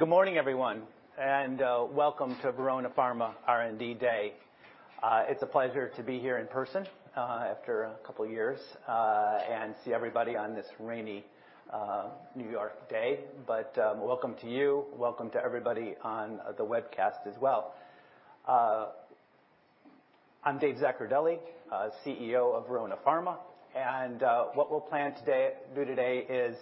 Good morning, everyone, and welcome to Verona Pharma R&D Day. It's a pleasure to be here in person after a couple years and see everybody on this rainy New York day. Welcome to you. Welcome to everybody on the webcast as well. I'm Dave Zaccardelli, CEO of Verona Pharma, and what we'll do today is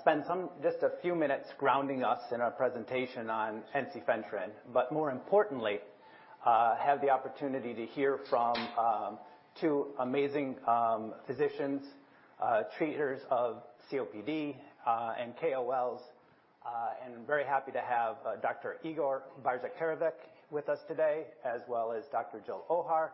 spend some just a few minutes grounding us in our presentation on ensifentrine, but more importantly, have the opportunity to hear from two amazing physicians treaters of COPD and KOLs. Very happy to have Dr. Igor Barjaktarevic with us today, as well as Dr. Jill Ohar.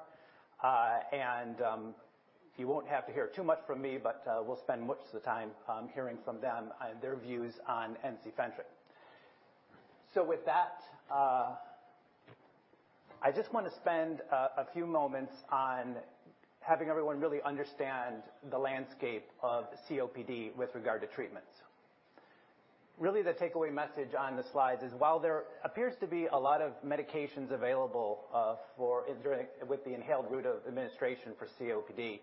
You won't have to hear too much from me, but we'll spend much of the time hearing from them and their views on ensifentrine. With that, I just wanna spend a few moments on having everyone really understand the landscape of COPD with regard to treatments. Really, the takeaway message on the slides is while there appears to be a lot of medications available for end users with the inhaled route of administration for COPD,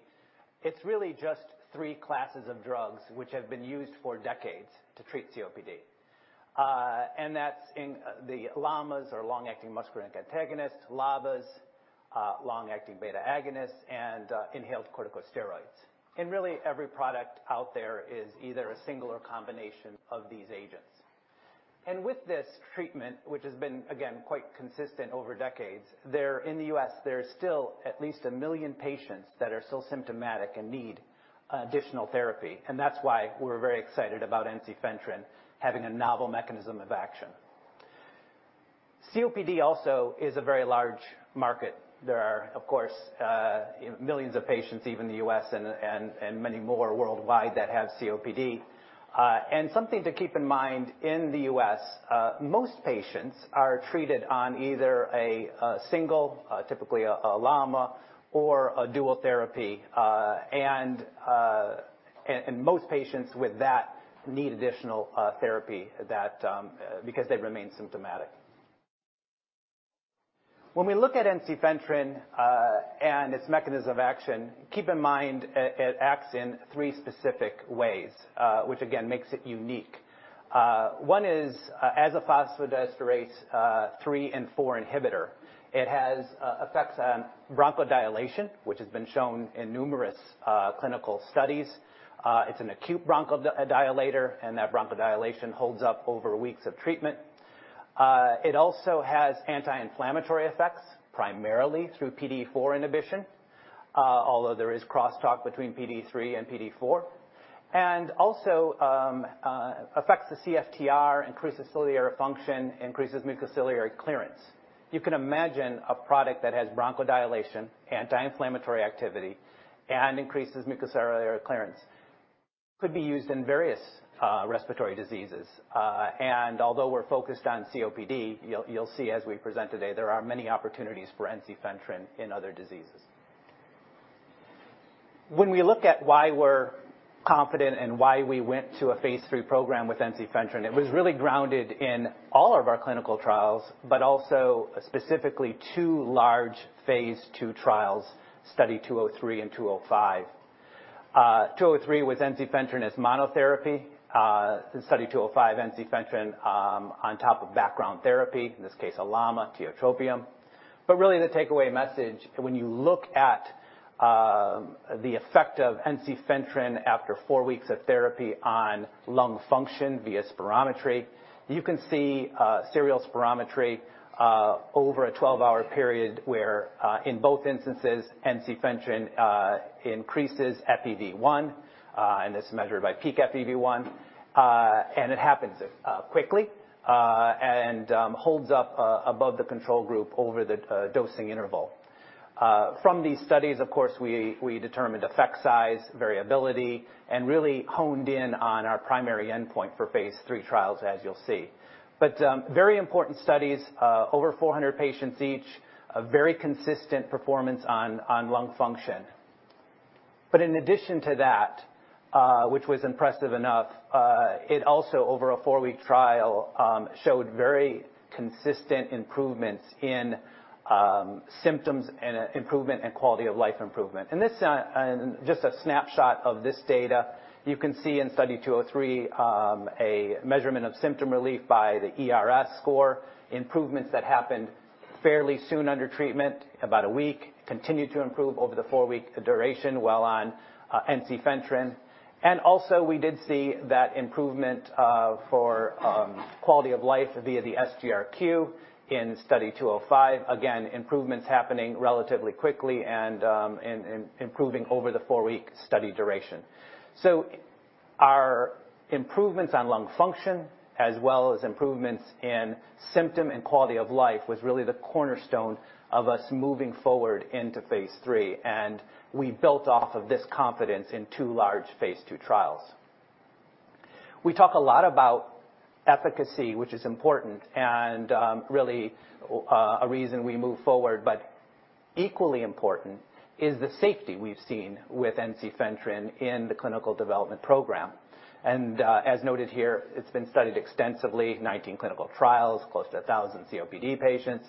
it's really just three classes of drugs which have been used for decades to treat COPD. That's the LAMAs or long-acting muscarinic antagonists, LABAs, long-acting beta agonists, and inhaled corticosteroids. Really every product out there is either a single or combination of these agents. With this treatment, which has been, again, quite consistent over decades, there. In the U.S., there's still at least 1 million patients that are still symptomatic and need additional therapy. That's why we're very excited about ensifentrine having a novel mechanism of action. COPD also is a very large market. There are, of course, millions of patients, even in the U.S. and many more worldwide that have COPD. Something to keep in mind, in the U.S., most patients are treated on either a single, typically a LAMA or a dual therapy. Most patients with that need additional therapy because they remain symptomatic. When we look at ensifentrine and its mechanism of action, keep in mind it acts in three specific ways, which again makes it unique. One is, as a phosphodiesterase 3 and 4 inhibitor, it has effects on bronchodilation, which has been shown in numerous clinical studies. It's an acute bronchodilator, and that bronchodilation holds up over weeks of treatment. It also has anti-inflammatory effects, primarily through PDE4 inhibition, although there is crosstalk between PDE3 and PDE4. It also affects the CFTR, increases ciliary function, increases mucociliary clearance. You can imagine a product that has bronchodilation, anti-inflammatory activity, and increases mucociliary clearance could be used in various respiratory diseases. Although we're focused on COPD, you'll see as we present today, there are many opportunities for ensifentrine in other diseases. When we look at why we're confident and why we went to a phase 3 program with ensifentrine, it was really grounded in all of our clinical trials, but also specifically 2 large phase 2 trials, study 203 and 205. 203 was ensifentrine as monotherapy. Study 205, ensifentrine, on top of background therapy, in this case a LAMA, tiotropium. Really the takeaway message when you look at the effect of ensifentrine after 4 weeks of therapy on lung function via spirometry, you can see serial spirometry over a 12-hour period where in both instances, ensifentrine increases FEV1, and it's measured by peak FEV1. It happens quickly and holds up above the control group over the dosing interval. From these studies, of course, we determined effect size, variability, and really honed in on our primary endpoint for phase 3 trials, as you'll see. Very important studies, over 400 patients each, a very consistent performance on lung function. In addition to that, which was impressive enough, it also over a four-week trial showed very consistent improvements in symptoms and improvement and quality of life improvement. This, and just a snapshot of this data, you can see in study 203, a measurement of symptom relief by the E-RS score, improvements that happened fairly soon under treatment, about a week, continued to improve over the four-week duration while on ensifentrine. We did see that improvement for quality of life via the SGRQ in study 205. Again, improvements happening relatively quickly and improving over the four-week study duration. Our improvements on lung function as well as improvements in symptom and quality of life was really the cornerstone of us moving forward into phase 3, and we built off of this confidence in two large phase 2 trials. We talk a lot about efficacy, which is important and really a reason we move forward. Equally important is the safety we've seen with ensifentrine in the clinical development program. As noted here, it's been studied extensively, 19 clinical trials, close to 1,000 COPD patients.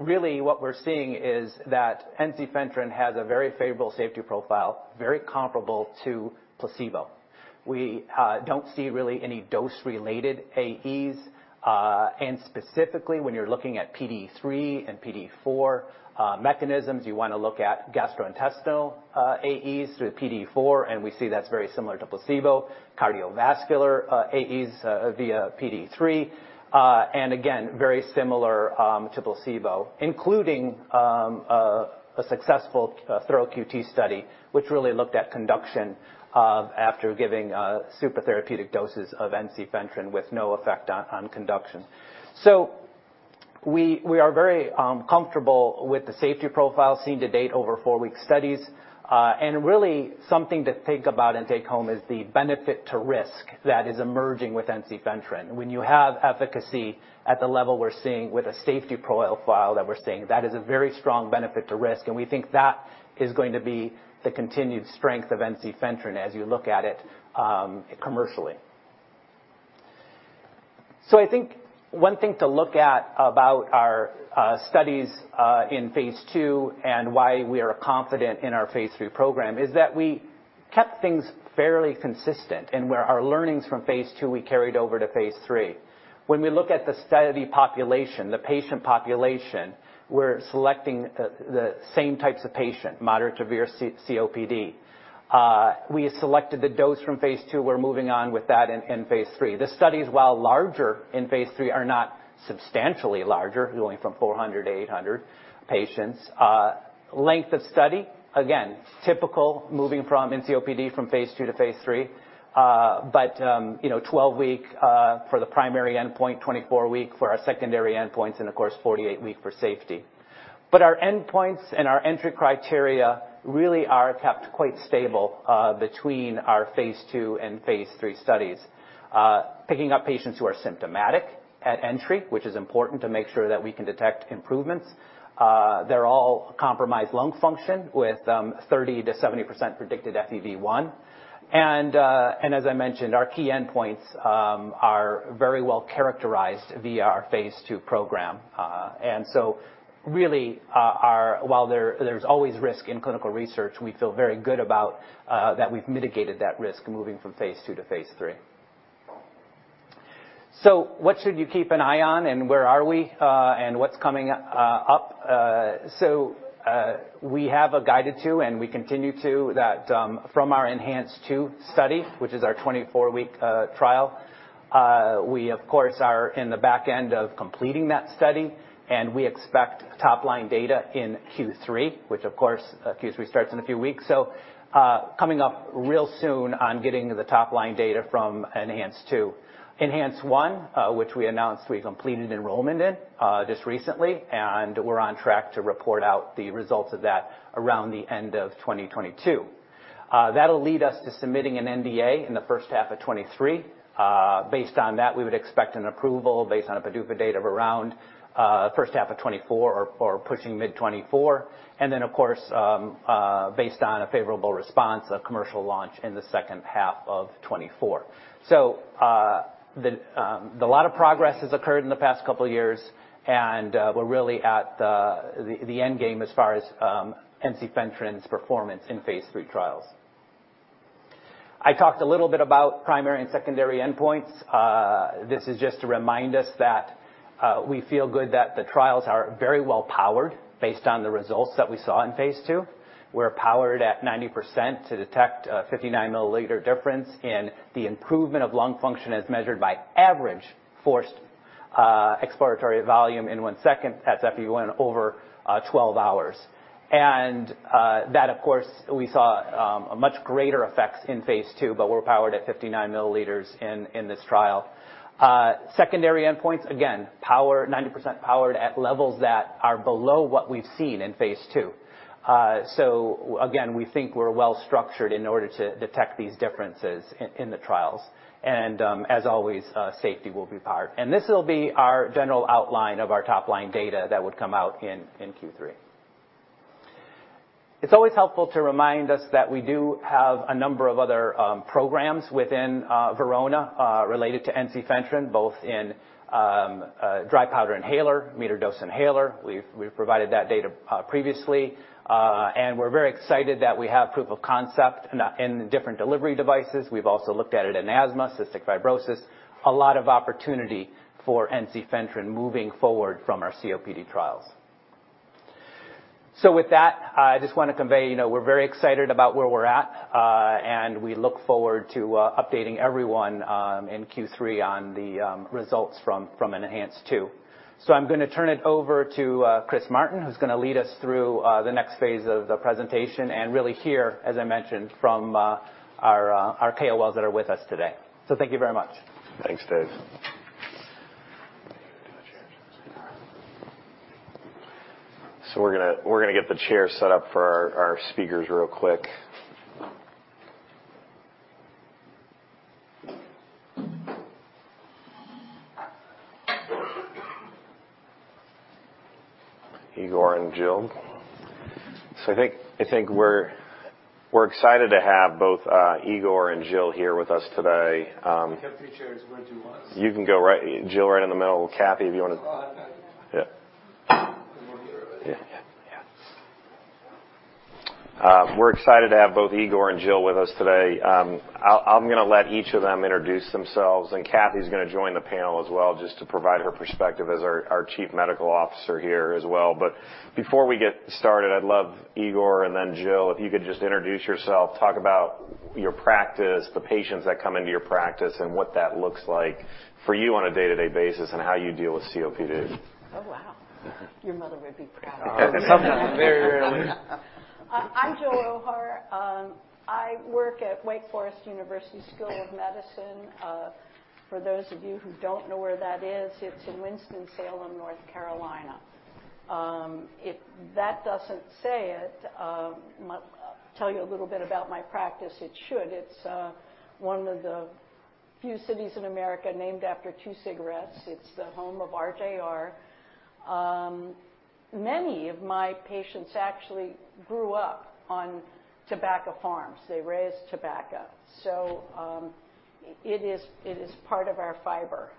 Really what we're seeing is that ensifentrine has a very favorable safety profile, very comparable to placebo. We don't see really any dose-related AEs. Specifically when you're looking at PDE3 and PDE4 mechanisms, you wanna look at gastrointestinal AEs through the PDE4, and we see that's very similar to placebo, cardiovascular AEs via PDE3, and again, very similar to placebo, including a successful thorough QT study, which really looked at conduction after giving super therapeutic doses of ensifentrine with no effect on conduction. We are very comfortable with the safety profile seen to date over four-week studies. Really something to think about and take home is the benefit to risk that is emerging with ensifentrine. When you have efficacy at the level we're seeing with a safety profile that we're seeing, that is a very strong benefit to risk, and we think that is going to be the continued strength of ensifentrine as you look at it, commercially. I think one thing to look at about our studies in phase two and why we are confident in our phase three program is that we kept things fairly consistent, and where our learnings from phase two we carried over to phase three. When we look at the study population, the patient population, we're selecting the same types of patient, moderate, severe COPD. We selected the dose from phase two. We're moving on with that in phase three. The studies, while larger in phase three, are not substantially larger, going from 400 to 800 patients. Length of study, again, typical moving from in COPD from phase 2 to phase 3. You know, 12-week for the primary endpoint, 24-week for our secondary endpoints, and of course, 48-week for safety. Our endpoints and our entry criteria really are kept quite stable between our phase 2 and phase 3 studies. Picking up patients who are symptomatic at entry, which is important to make sure that we can detect improvements. They're all compromised lung function with 30%-70% predicted FEV1. As I mentioned, our key endpoints are very well characterized via our phase 2 program. Really, while there's always risk in clinical research, we feel very good about that we've mitigated that risk moving from phase 2 to phase 3. What should you keep an eye on, and where are we, and what's coming up? From our ENHANCE-2 study, which is our 24-week trial. We of course are in the back end of completing that study, and we expect top-line data in Q3, which of course, Q3 starts in a few weeks. Coming up real soon on getting the top-line data from ENHANCE-2. ENHANCE-1, which we announced we completed enrollment in just recently, and we're on track to report out the results of that around the end of 2022. That'll lead us to submitting an NDA in the first half of 2023. Based on that, we would expect an approval based on a PDUFA date of around first half of 2024 or pushing mid-2024. Of course, based on a favorable response, a commercial launch in the second half of 2024. A lot of progress has occurred in the past couple of years, and we're really at the end game as far as ensifentrine's performance in phase three trials. I talked a little bit about primary and secondary endpoints. This is just to remind us that we feel good that the trials are very well powered based on the results that we saw in phase 2. We're powered at 90% to detect a 59 milliliter difference in the improvement of lung function as measured by average forced expiratory volume in one second as FEV1 over 12 hours. That of course, we saw a much greater effect in phase 2, but we're powered at 59 milliliters in this trial. Secondary endpoints, again, powered at 90% levels that are below what we've seen in phase 2. So again, we think we're well structured in order to detect these differences in the trials. As always, safety will be powered. This will be our general outline of our top-line data that would come out in Q3. It's always helpful to remind us that we do have a number of other programs within Verona related to ensifentrine, both in a dry powder inhaler, metered-dose inhaler. We've provided that data previously, and we're very excited that we have proof of concept in different delivery devices. We've also looked at it in asthma, cystic fibrosis. A lot of opportunity for ensifentrine moving forward from our COPD trials. With that, I just want to convey, you know, we're very excited about where we're at, and we look forward to updating everyone in Q3 on the results from ENHANCE-2. I'm gonna turn it over to Chris Martin, who's gonna lead us through the next phase of the presentation and really hear, as I mentioned, from our KOLs that are with us today. Thank you very much. Thanks, Dave. We're gonna get the chair set up for our speakers real quick. Igor and Jill. I think we're excited to have both Igor and Jill here with us today. We have two chairs. Which one do you want? You can go right, Jill, right in the middle. Kathy, if you wanna- Oh, okay. Yeah. We'll hear it. Yeah. We're excited to have both Igor and Jill with us today. I'm gonna let each of them introduce themselves, and Kathy's gonna join the panel as well just to provide her perspective as our Chief Medical Officer here as well. Before we get started, I'd love Igor and then Jill, if you could just introduce yourself, talk about your practice, the patients that come into your practice, and what that looks like for you on a day-to-day basis, and how you deal with COPD. Oh, wow. Your mother would be proud. Sometimes. Very rarely. I'm Jill Ohar. I work at Wake Forest University School of Medicine. For those of you who don't know where that is, it's in Winston-Salem, North Carolina. If that doesn't say it, tell you a little bit about my practice, it should. It's one of the few cities in America named after two cigarettes. It's the home of RJR. Many of my patients actually grew up on tobacco farms. They raised tobacco. It is part of our fiber.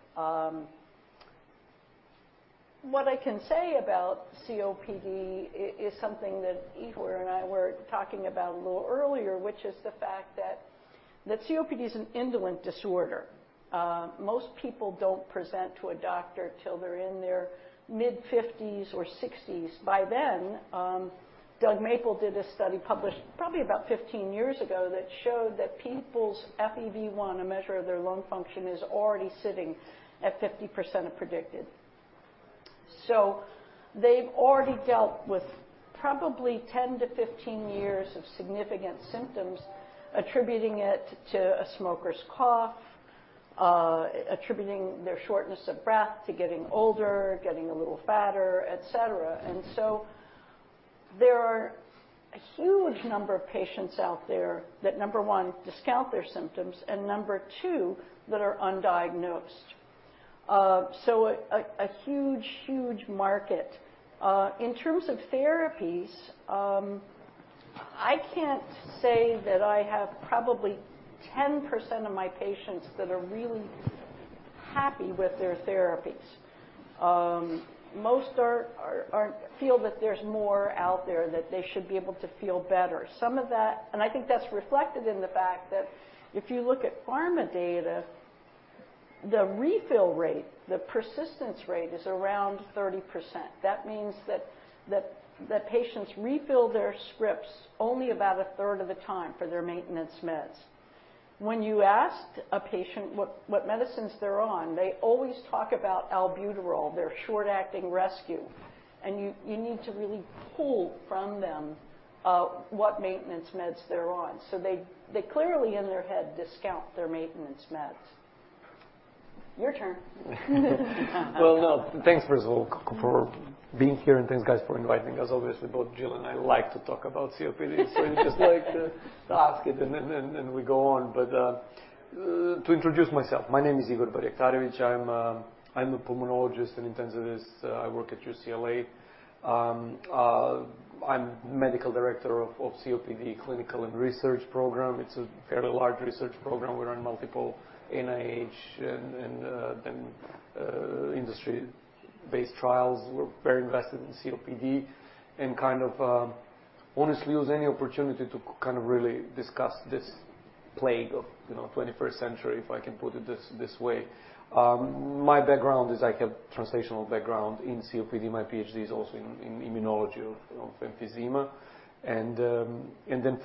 What I can say about COPD is something that Igor Barjaktarevic and I were talking about a little earlier, which is the fact that COPD is an indolent disorder. Most people don't present to a doctor till they're in their mid-fifties or sixties. By then, Doug Mapel did a study published probably about 15 years ago that showed that people's FEV1, a measure of their lung function, is already sitting at 50% of predicted. They've already dealt with probably 10-15 years of significant symptoms, attributing it to a smoker's cough, attributing their shortness of breath to getting older, getting a little fatter, etc. There are a huge number of patients out there that, number one, discount their symptoms, and number two, that are undiagnosed. A huge market. In terms of therapies, I can't say that I have probably 10% of my patients that are really happy with their therapies. Most are feel that there's more out there, that they should be able to feel better. Some of that. I think that's reflected in the fact that if you look at pharma data, the refill rate, the persistence rate is around 30%. That means that the patients refill their scripts only about a third of the time for their maintenance meds. When you ask a patient what medicines they're on, they always talk about albuterol, their short-acting rescue, and you need to really pull from them what maintenance meds they're on. They clearly in their head discount their maintenance meds. Your turn. Thanks, Jill, for being here. Thanks guys for inviting us. Obviously, both Jill and I like to talk about COPD. Just like to ask it and we go on. To introduce myself, my name is Igor Barjaktarevic. I'm a pulmonologist and intensivist. I work at UCLA. I'm medical director of COPD Clinical and Research Program. It's a fairly large research program. We run multiple NIH and industry-based trials. We're very invested in COPD and kind of honestly use any opportunity to kind of really discuss this plague of, you know, twenty-first century, if I can put it this way. My background is I have translational background in COPD. My PhD is also in immunology of emphysema.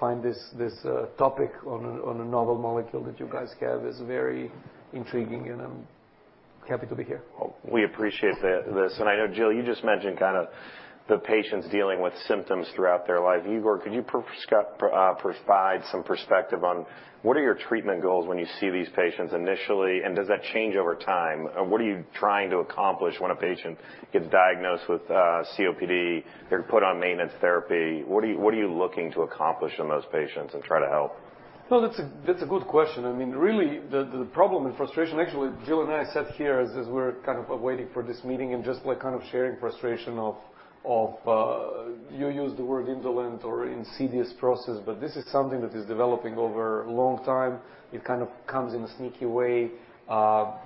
Find this topic on a novel molecule that you guys have is very intriguing, and I'm happy to be here. We appreciate this. I know, Jill, you just mentioned kind of the patients dealing with symptoms throughout their life. Igor, could you provide some perspective on what are your treatment goals when you see these patients initially, and does that change over time? What are you trying to accomplish when a patient gets diagnosed with COPD, they're put on maintenance therapy. What are you looking to accomplish in those patients and try to help? No, that's a good question. I mean, really, the problem and frustration. Actually, Jill and I sat here as we're kind of waiting for this meeting and just like kind of sharing frustration of you use the word indolent or insidious process. This is something that is developing over a long time. It kind of comes in a sneaky way.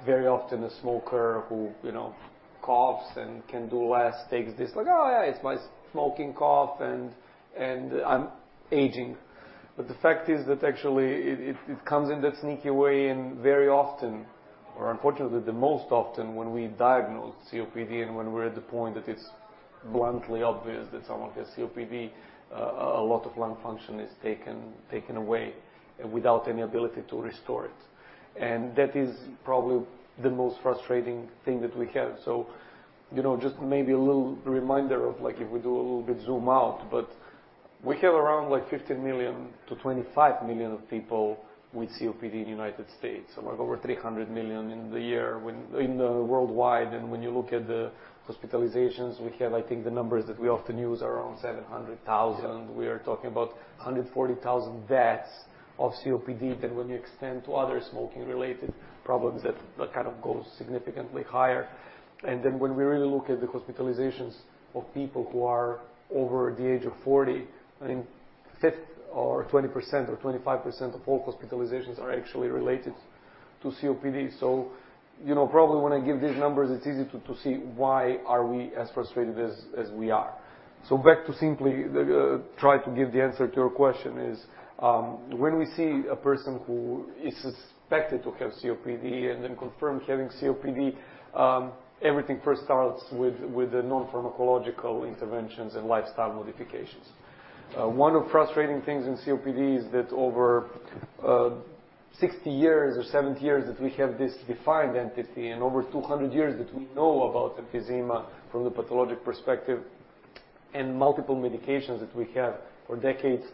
Very often a smoker who, you know, coughs and can do less takes this like, "Oh, yeah. It's my smoking cough, and I'm aging." The fact is that actually it comes in that sneaky way, and very often or unfortunately the most often when we diagnose COPD and when we're at the point that it's bluntly obvious that someone has COPD, a lot of lung function is taken away without any ability to restore it. That is probably the most frustrating thing that we have. You know, just maybe a little reminder of like if we do a little bit zoom out, but we have around like 15 million-25 million people with COPD in the United States, and like over 300 million worldwide. When you look at the hospitalizations, we have, I think the numbers that we often use are around 700,000. Yeah. We are talking about 140,000 deaths of COPD. When you extend to other smoking related problems that kind of goes significantly higher. When we really look at the hospitalizations of people who are over the age of 40, I mean, fifth or 20% or 25% of all hospitalizations are actually related to COPD. You know, probably when I give these numbers, it's easy to see why we are as frustrated as we are. Back to simply try to give the answer to your question is, when we see a person who is suspected to have COPD and then confirmed having COPD, everything first starts with the non-pharmacological interventions and lifestyle modifications. One of frustrating things in COPD is that over 60 years or 70 years that we have this defined entity and over 200 years that we know about emphysema from the pathologic perspective and multiple medications that we have for decades,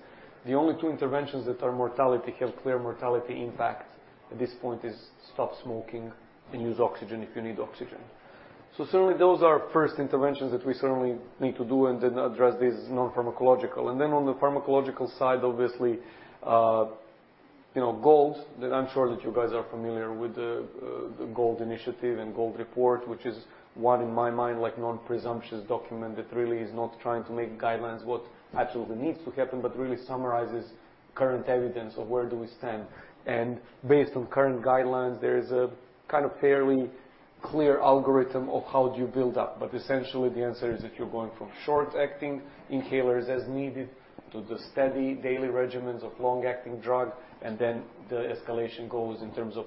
the only two interventions that have clear mortality impact at this point is stop smoking and use oxygen if you need oxygen. Certainly those are first interventions that we certainly need to do and then address these non-pharmacological. Then on the pharmacological side, obviously, you know, GOLD that I'm sure that you guys are familiar with the GOLD initiative and GOLD report, which is one in my mind, like non-presumptuous document that really is not trying to make guidelines what absolutely needs to happen, but really summarizes current evidence of where do we stand. Based on current guidelines, there is a kind of fairly clear algorithm of how do you build up. Essentially, the answer is if you're going from short-acting inhalers as needed to the steady daily regimens of long-acting drug, and then the escalation goes in terms of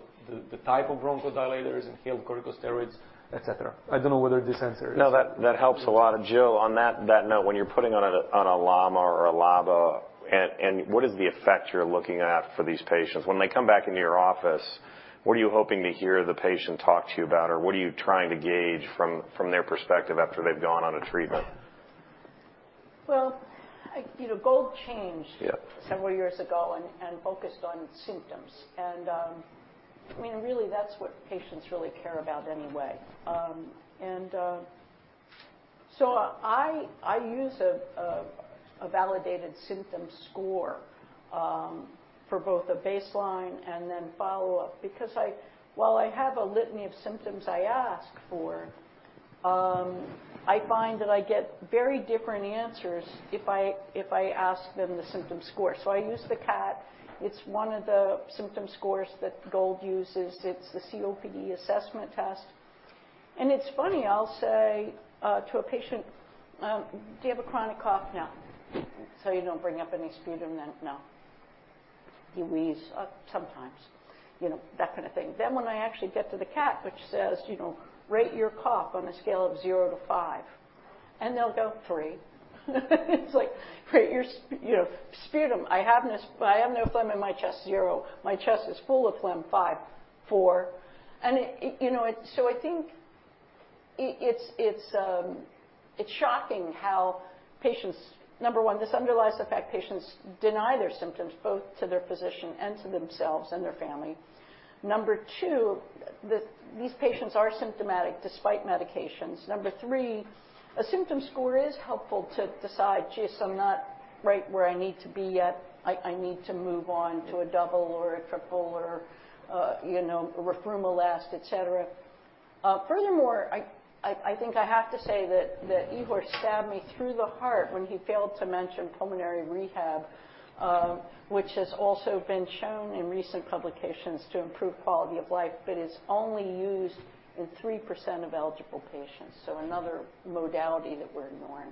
the type of bronchodilators, inhaled corticosteroids, et cetera. I don't know whether this answers. No, that helps a lot. Jill, on that note, when you're putting on a LAMA or a LABA, and what is the effect you're looking at for these patients? When they come back into your office, what are you hoping to hear the patient talk to you about? Or what are you trying to gauge from their perspective after they've gone on a treatment? Well, you know, GOLD changed. Yeah. Several years ago, and focused on symptoms. I mean, really, that's what patients really care about anyway. So I use a validated symptom score for both a baseline and then follow-up because while I have a litany of symptoms I ask for, I find that I get very different answers if I ask them the symptom score. I use the CAT. It's one of the symptom scores that GOLD uses. It's the COPD assessment test. It's funny, I'll say to a patient, "Do you have a chronic cough?" "No." "So you don't bring up any sputum then?" "No." "You wheeze?" "sometimes." You know, that kind of thing. When I actually get to the CAT, which says, you know, rate your cough on a scale of 0 to 5, and they'll go, "3." It's like, rate your sputum. I have this, I have no phlegm in my chest, 0. My chest is full of phlegm, 5, 4. You know, it's shocking how patients, number one, this underlies the fact patients deny their symptoms, both to their physician and to themselves and their family. Number two, these patients are symptomatic despite medications. Number three, a symptom score is helpful to decide, geez, I'm not right where I need to be yet. I need to move on to a double or a triple or, you know, roflumilast, et cetera. Furthermore, I think I have to say that Igor stabbed me through the heart when he failed to mention pulmonary rehab, which has also been shown in recent publications to improve quality of life, but is only used in 3% of eligible patients. Another modality that we're ignoring.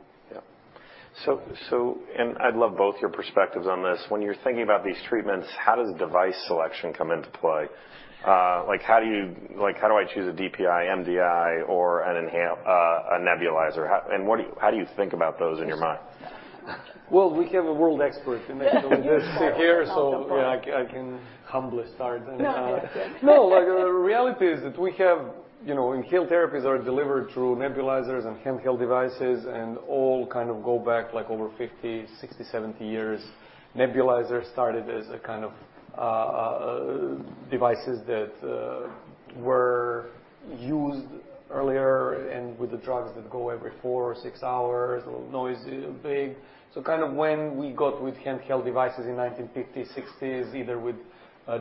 I'd love both your perspectives on this. When you're thinking about these treatments, how does device selection come into play? Like, how do I choose a DPI, MDI or an inhaler, a nebulizer? How do you think about those in your mind? Well, we have a world expert in actually this here. You're more welcome for it. Yeah, I can humbly start. No. No, like the reality is that we have, you know, inhaled therapies are delivered through nebulizers and handheld devices and all kind of go back like over 50, 60, 70 years. Nebulizers started as a kind of devices that were used earlier and with the drugs that go every four or six hours, noisy, big. Kind of when we got with handheld devices in 1950, 1960s, either with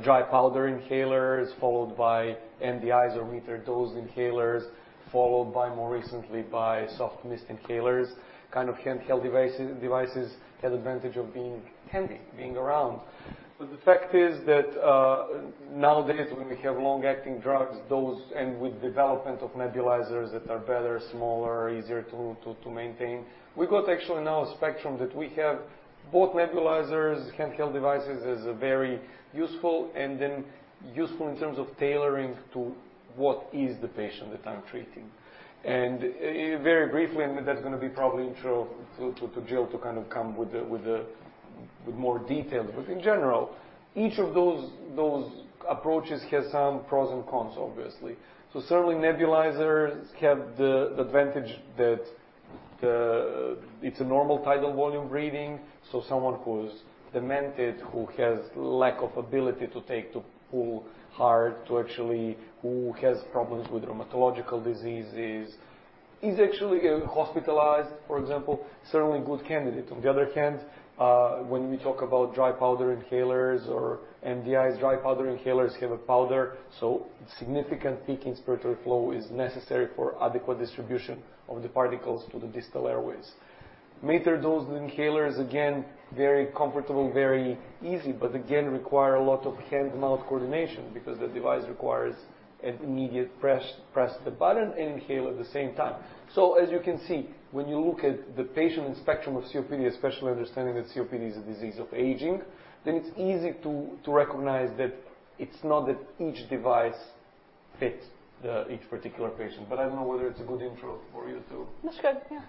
dry powder inhalers followed by MDIs or metered dose inhalers, followed by more recently by soft mist inhalers, kind of handheld devices had advantage of being handy, being around. The fact is that nowadays, when we have long-acting drugs, those and with development of nebulizers that are better, smaller, easier to maintain, we got actually now a spectrum that we have both nebulizers, handheld devices as a very useful, and then useful in terms of tailoring to what is the patient that I'm treating. Very briefly, that's gonna be probably intro to Jill to kind of come with the more details. In general, each of those approaches has some pros and cons obviously. Certainly nebulizers have the advantage that it's a normal tidal volume breathing. Someone who's demented, who has lack of ability to pull hard, who has problems with rheumatological diseases, is actually hospitalized, for example, certainly a good candidate. On the other hand, when we talk about dry powder inhalers or MDIs, dry powder inhalers have a powder, so significant peak inspiratory flow is necessary for adequate distribution of the particles to the distal airways. Metered-dose inhalers, again, very comfortable, very easy. But again, require a lot of hand-mouth coordination because the device requires an immediate press the button and inhale at the same time. As you can see, when you look at the patient and spectrum of COPD, especially understanding that COPD is a disease of aging, then it's easy to recognize that it's not that each device fits each particular patient. I don't know whether it's a good intro for you to- That's good. Yeah.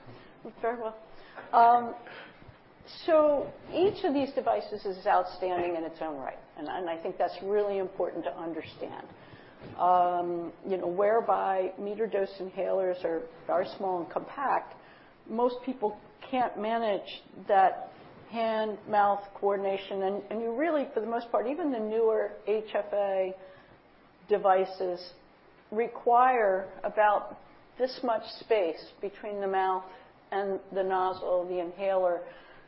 Went very well. Each of these devices is outstanding in its own right, and I think that's really important to understand. You know, whereby metered-dose inhalers are small and compact, most people can't manage that hand-mouth coordination. You really, for the most part, even the newer HFA devices require about this much space between the mouth and the nozzle, the inhaler,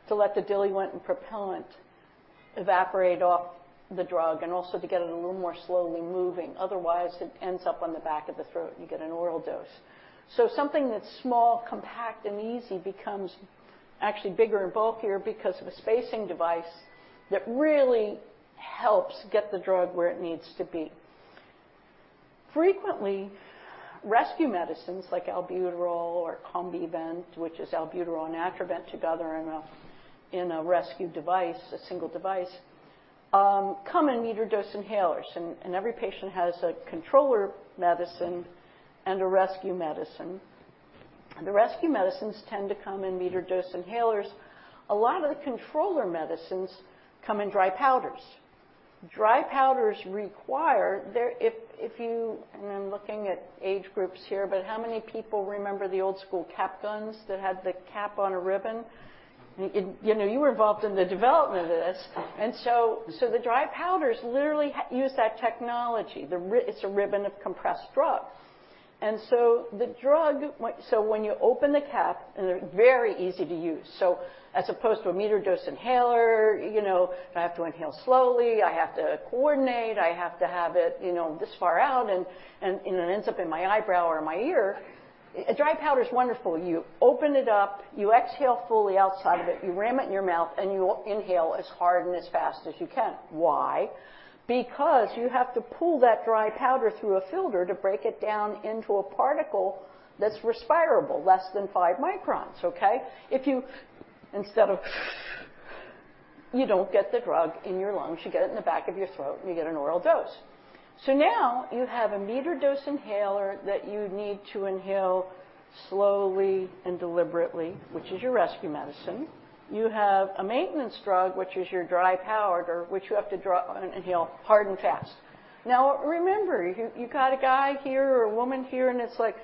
to let the diluent and propellant evaporate off the drug and also to get it a little more slowly moving. Otherwise, it ends up on the back of the throat, and you get an oral dose. Something that's small, compact, and easy becomes actually bigger and bulkier because of a spacing device that really helps get the drug where it needs to be. Frequently, rescue medicines like Albuterol or Combivent, which is Albuterol and Atrovent together in a rescue device, a single device, come in metered-dose inhalers. Every patient has a controller medicine and a rescue medicine, and the rescue medicines tend to come in metered-dose inhalers. A lot of the controller medicines come in dry powders. Dry powders require. I'm looking at age groups here, but how many people remember the old school cap guns that had the cap on a ribbon? You know, you were involved in the development of this. The dry powders literally use that technology. It's a ribbon of compressed drug. When you open the cap, and they're very easy to use. As opposed to a metered-dose inhaler, you know, I have to inhale slowly, I have to coordinate, I have to have it, you know, this far out, and it ends up in my eyebrow or my ear. A dry powder is wonderful. You open it up, you exhale fully outside of it, you ram it in your mouth, and you inhale as hard and as fast as you can. Why? Because you have to pull that dry powder through a filter to break it down into a particle that's respirable, less than five microns, okay? If instead you don't get the drug in your lungs, you get it in the back of your throat, and you get an oral dose. Now you have a metered-dose inhaler that you need to inhale slowly and deliberately, which is your rescue medicine. You have a maintenance drug, which is your dry powder, which you have to inhale hard and fast. Now, remember, you got a guy here or a woman here, and it's like,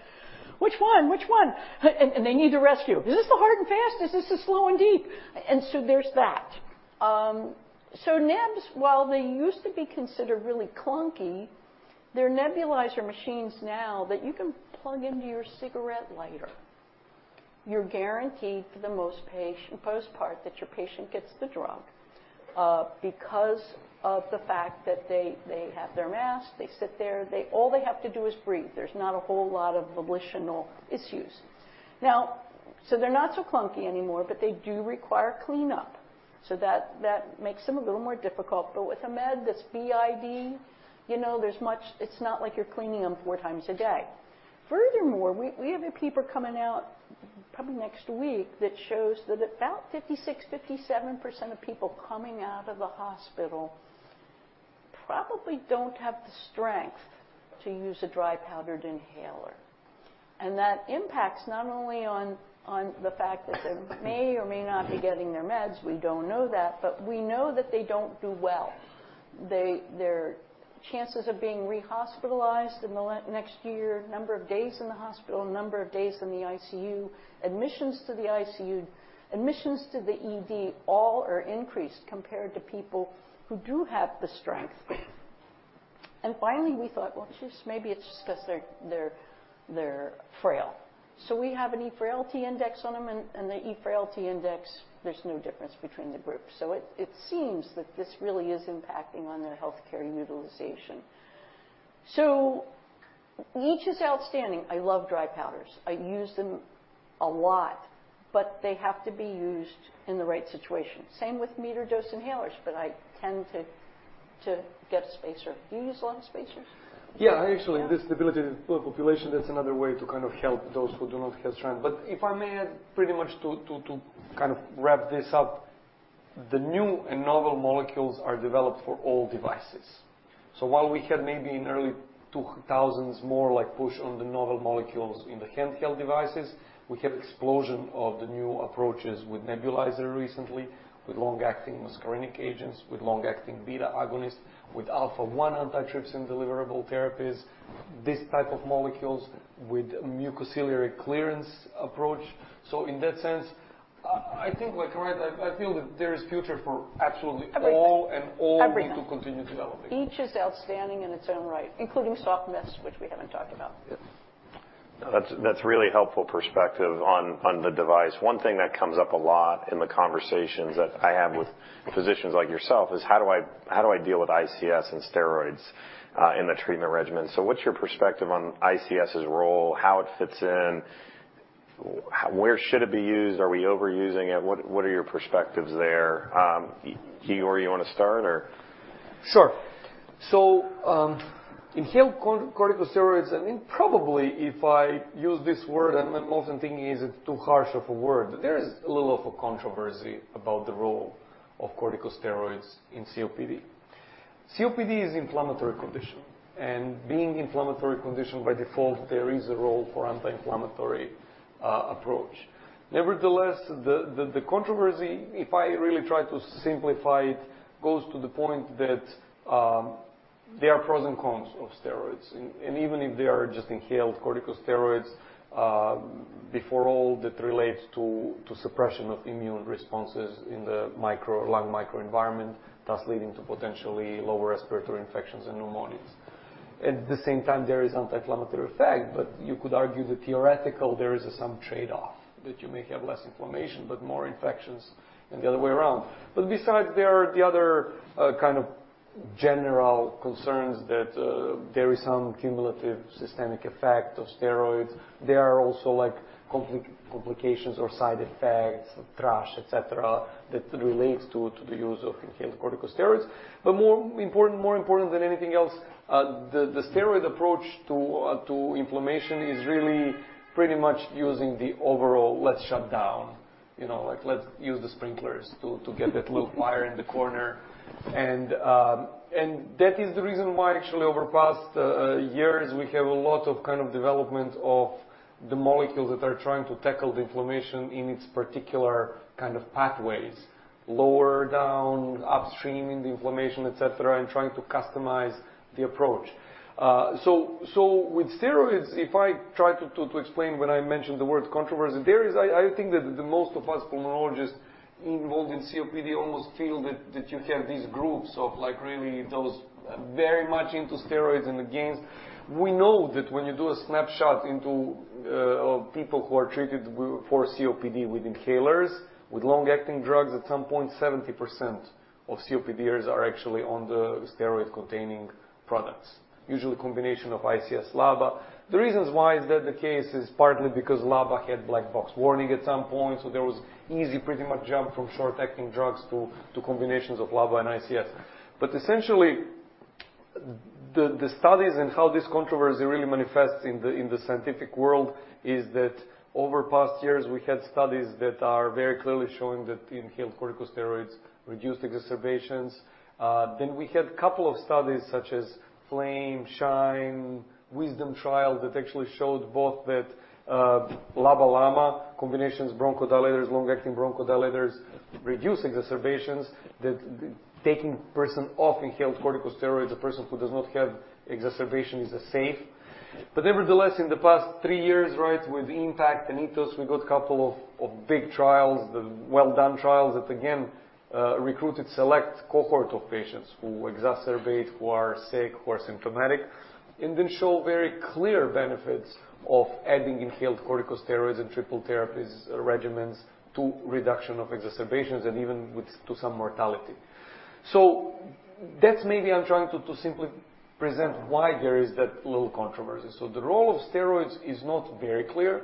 "Which one? Which one?" and they need a rescue. "Is this the hard and fast? Is this the slow and deep?" There's that. Nebs, while they used to be considered really clunky, there are nebulizer machines now that you can plug into your cigarette lighter. You're guaranteed for the most part that your patient gets the drug, because of the fact that they have their mask, they sit there, all they have to do is breathe. There's not a whole lot of volitional issues. They're not so clunky anymore, but they do require cleanup, so that makes them a little more difficult. With a med that's BID, you know, there's much. It's not like you're cleaning them four times a day. Furthermore, we have a paper coming out probably next week that shows that about 56-57% of people coming out of the hospital probably don't have the strength to use a dry powder inhaler. That impacts not only on the fact that they may or may not be getting their meds, we don't know that, but we know that they don't do well. Their chances of being re-hospitalized in the next year, number of days in the hospital, number of days in the ICU, admissions to the ICU, admissions to the ED all are increased compared to people who do have the strength. Finally, we thought, "Well, just maybe it's just 'cause they're frail." We have an eFrailty Index on them, and the eFrailty Index, there's no difference between the groups. It seems that this really is impacting on their healthcare utilization. Each is outstanding. I love dry powders. I use them a lot, but they have to be used in the right situation. Same with metered-dose inhalers, but I tend to get a spacer. Do you use a lot of spacers? Yeah. Actually. This debilitated population, that's another way to kind of help those who do not have strength. If I may add pretty much to kind of wrap this up, the new and novel molecules are developed for all devices. While we had maybe in early 2000s more like push on the novel molecules in the handheld devices, we had explosion of the new approaches with nebulizer recently, with long-acting muscarinic agents, with long-acting beta-agonist, with Alpha-1 Antitrypsin deliverable therapies, these type of molecules with mucociliary clearance approach. In that sense, I think like right, I feel that there is future for absolutely all- Everything All will continue developing. Each is outstanding in its own right, including soft mist, which we haven't talked about. Yes. That's really helpful perspective on the device. One thing that comes up a lot in the conversations that I have with physicians like yourself is how do I deal with ICS and steroids in the treatment regimen? What's your perspective on ICS's role, how it fits in, where should it be used? Are we overusing it? What are your perspectives there? Igor, you wanna start, or? Sure. Inhaled corticosteroids, I mean, probably if I use this word, and I'm often thinking, is it too harsh of a word? There is a little of a controversy about the role of corticosteroids in COPD. COPD is inflammatory condition, and being inflammatory condition, by default, there is a role for anti-inflammatory approach. Nevertheless, the controversy, if I really try to simplify it, goes to the point that there are pros and cons of steroids. Even if they are just inhaled corticosteroids, before all that relates to suppression of immune responses in the lung microenvironment, thus leading to potentially lower respiratory infections and pneumonias. At the same time, there is anti-inflammatory effect, but you could argue that theoretically, there is some trade-off, that you may have less inflammation, but more infections and the other way around. Besides, there are the other kind of general concerns that there is some cumulative systemic effect of steroids. There are also like complications or side effects, thrush, et cetera, that relates to the use of inhaled corticosteroids. More important than anything else, the steroid approach to inflammation is really pretty much using the overall let's shut down, you know, like let's use the sprinklers to get that little fire in the corner. That is the reason why actually over past years, we have a lot of kind of development of the molecules that are trying to tackle the inflammation in its particular kind of pathways, lower down, upstream in the inflammation, et cetera, and trying to customize the approach. With steroids, if I try to explain when I mentioned the word controversy, there is, I think that the most of us pulmonologists involved in COPD almost feel that you have these groups of like really those very much into steroids and against. We know that when you do a snapshot of people who are treated for COPD with inhalers, with long-acting drugs, at some point, 70% of COPDers are actually on the steroid-containing products, usually combination of ICS LABA. The reasons why is that the case is partly because LABA had black box warning at some point, so there was easy pretty much jump from short-acting drugs to combinations of LABA and ICS. Essentially, the studies and how this controversy really manifests in the scientific world is that over past years, we had studies that are very clearly showing that inhaled corticosteroids reduced exacerbations. Then we had couple of studies such as FLAME, SHINE, WISDOM trial that actually showed both that LABA/LAMA combinations bronchodilators, long-acting bronchodilators, reduce exacerbations, that taking person off inhaled corticosteroids, a person who does not have exacerbation is safe. Nevertheless, in the past three years, with IMPACT and ETHOS, we got couple of big trials, well-done trials that again recruited select cohort of patients who exacerbate, who are sick, who are symptomatic, and then show very clear benefits of adding inhaled corticosteroids and triple therapies regimens to reduction of exacerbations and even with to some mortality. That's maybe I'm trying to simply present why there is that little controversy. The role of steroids is not very clear.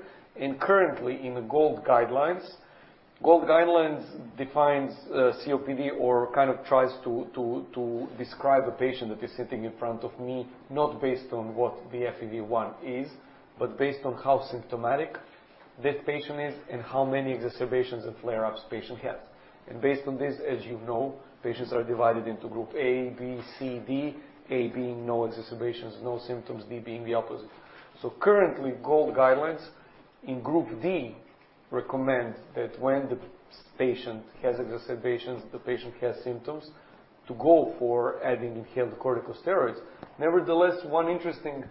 Currently in the GOLD guidelines, GOLD guidelines defines COPD or kind of tries to describe a patient that is sitting in front of me, not based on what the FEV1 is, but based on how symptomatic this patient is and how many exacerbations and flare-ups patient has. Based on this, as you know, patients are divided into group A, B, C, D. A being no exacerbations, no symptoms, D being the opposite. Currently, GOLD guidelines in group D recommend that when the patient has exacerbations, the patient has symptoms to go for adding inhaled corticosteroids. Nevertheless, one interesting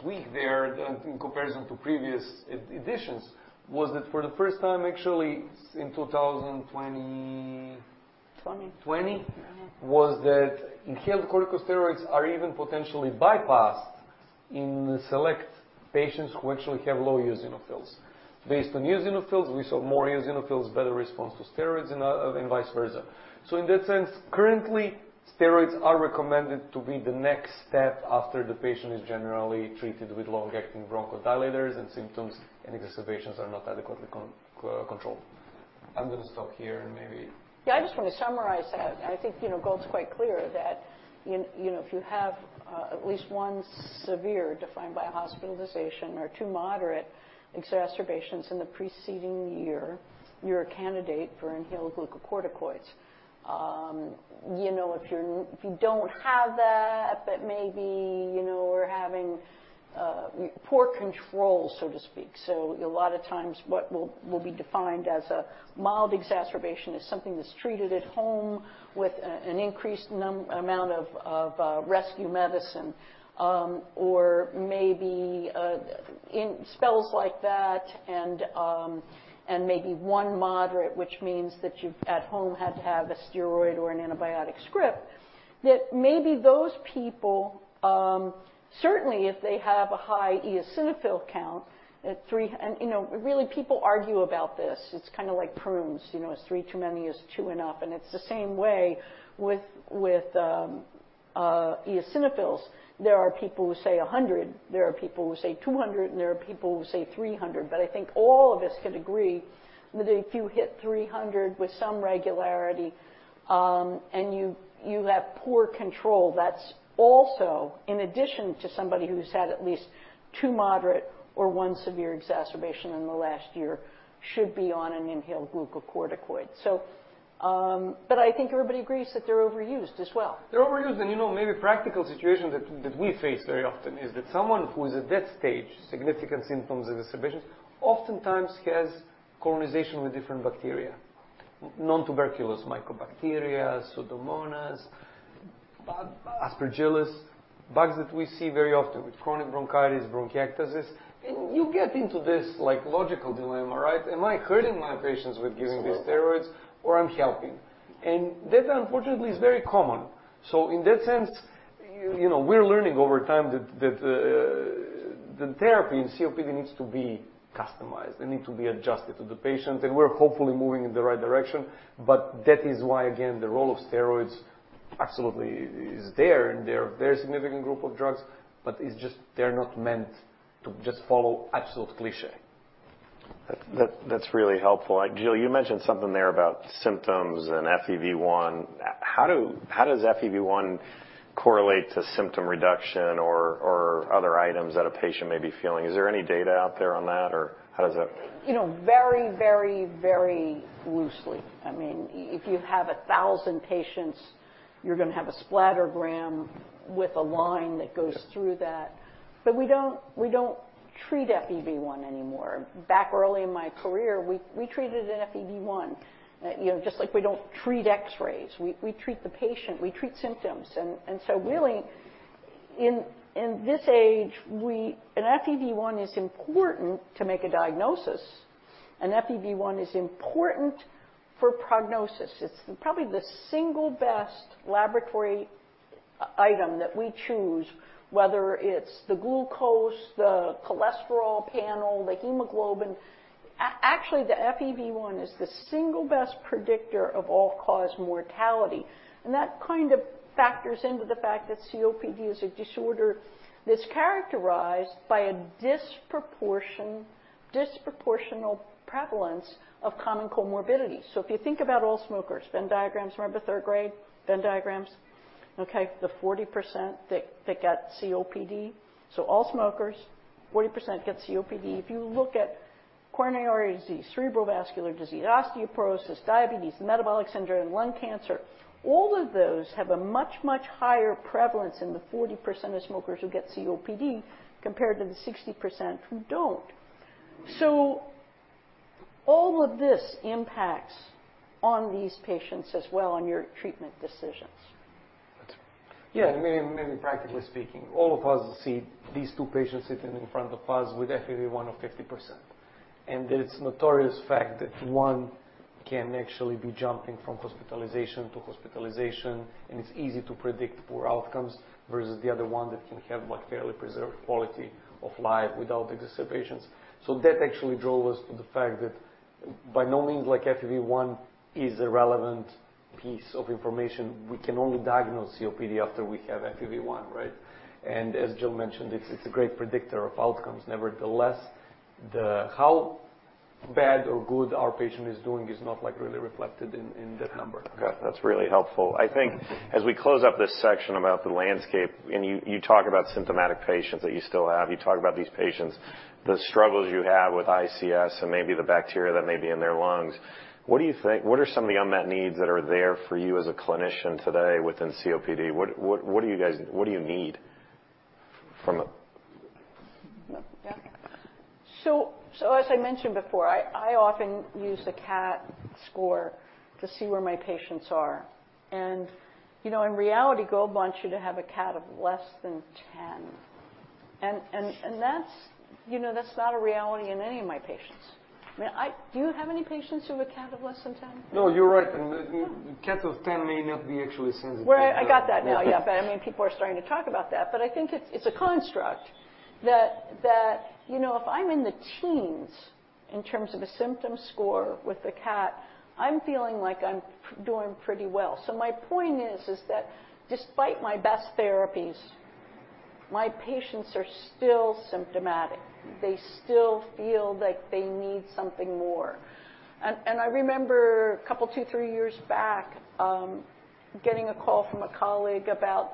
tweak there in comparison to previous editions was that for the first time, actually in 20- 20. 20. Mm-hmm. What about inhaled corticosteroids are even potentially bypassed in select patients who actually have low eosinophils. Based on eosinophils, we saw more eosinophils, better response to steroids and vice versa. In that sense, currently steroids are recommended to be the next step after the patient is generally treated with long-acting bronchodilators and symptoms and exacerbations are not adequately controlled. I'm gonna stop here and maybe. Yeah, I just wanna summarize that. I think, you know, GOLD's quite clear that, you know, if you have at least one severe, defined by hospitalization, or two moderate exacerbations in the preceding year, you're a candidate for inhaled glucocorticoids. You know, if you don't have that, but maybe, you know, are having poor control, so to speak. A lot of times what will be defined as a mild exacerbation is something that's treated at home with an increased amount of rescue medicine. or maybe in spells like that and maybe one moderate, which means that you've at home had to have a steroid or an antibiotic script, that maybe those people certainly if they have a high eosinophil count at 300. You know, really people argue about this. It's kind of like prunes. You know, is three too many? Is two enough? It's the same way with eosinophils. There are people who say 100, there are people who say 200, and there are people who say 300. But I think all of us could agree that if you hit 300 with some regularity and you have poor control, that's also in addition to somebody who's had at least two moderate or one severe exacerbation in the last year should be on an inhaled glucocorticoid. I think everybody agrees that they're overused as well. They're overused, and you know, maybe practical situation that we face very often is that someone who is at that stage, significant symptoms, exacerbations, oftentimes has colonization with different bacteria. Nontuberculous mycobacteria, Pseudomonas, Aspergillus. Bugs that we see very often with chronic bronchitis, bronchiectasis. You get into this like logical dilemma, right? Am I hurting my patients with giving these steroids or I'm helping? That unfortunately is very common. In that sense, you know, we're learning over time that the therapy in COPD needs to be customized and need to be adjusted to the patient, and we're hopefully moving in the right direction. That is why again, the role of steroids absolutely is there, and they're a significant group of drugs, but it's just they're not meant to just follow absolute cliché. That's really helpful. Jill, you mentioned something there about symptoms and FEV1. How does FEV1 correlate to symptom reduction or other items that a patient may be feeling? Is there any data out there on that, or how does that? You know, very loosely. I mean, if you have 1,000 patients, you're gonna have a scattergram with a line that goes through that. But we don't treat FEV1 anymore. Back early in my career, we treated an FEV1. You know, just like we don't treat X-rays. We treat the patient. We treat symptoms. Really, in this age, we. An FEV1 is important to make a diagnosis. An FEV1 is important for prognosis. It's probably the single best laboratory item that we choose, whether it's the glucose, the cholesterol panel, the hemoglobin. Actually, the FEV1 is the single best predictor of all-cause mortality, and that kind of factors into the fact that COPD is a disorder that's characterized by a disproportionate prevalence of common comorbidities. If you think about all smokers, Venn diagrams, remember third grade, Venn diagrams? Okay. The 40% that get COPD. All smokers, 40% get COPD. If you look at coronary artery disease, cerebral vascular disease, osteoporosis, diabetes, metabolic syndrome, and lung cancer, all of those have a much, much higher prevalence in the 40% of smokers who get COPD compared to the 60% who don't. All of this impacts on these patients as well on your treatment decisions. Yeah. I mean practically speaking, all of us see these two patients sitting in front of us with FEV1 of 50%. It's notorious fact that one can actually be jumping from hospitalization to hospitalization, and it's easy to predict poor outcomes, versus the other one that can have like fairly preserved quality of life without exacerbations. That actually drove us to the fact that by no means like FEV1 is irrelevant piece of information. We can only diagnose COPD after we have FEV1, right? As Jill mentioned, it's a great predictor of outcomes. Nevertheless, the how bad or good our patient is doing is not like really reflected in that number. Okay. That's really helpful. I think as we close up this section about the landscape, and you talk about symptomatic patients that you still have, you talk about these patients, the struggles you have with ICS and maybe the bacteria that may be in their lungs. What are some of the unmet needs that are there for you as a clinician today within COPD? What do you need from a- As I mentioned before, I often use the CAT score to see where my patients are. You know, in reality, GOLD wants you to have a CAT of less than 10. That's, you know, that's not a reality in any of my patients. I mean, do you have any patients who have a CAT of less than 10? No, you're right. I mean, CAT of 10 may not be actually sensitive. Well, I got that now, yeah. I mean, people are starting to talk about that. I think it's a construct that, you know, if I'm in the teens in terms of a symptom score with the CAT, I'm feeling like I'm doing pretty well. My point is that despite my best therapies. My patients are still symptomatic. They still feel like they need something more. I remember a couple, 2-3 years back, getting a call from a colleague about,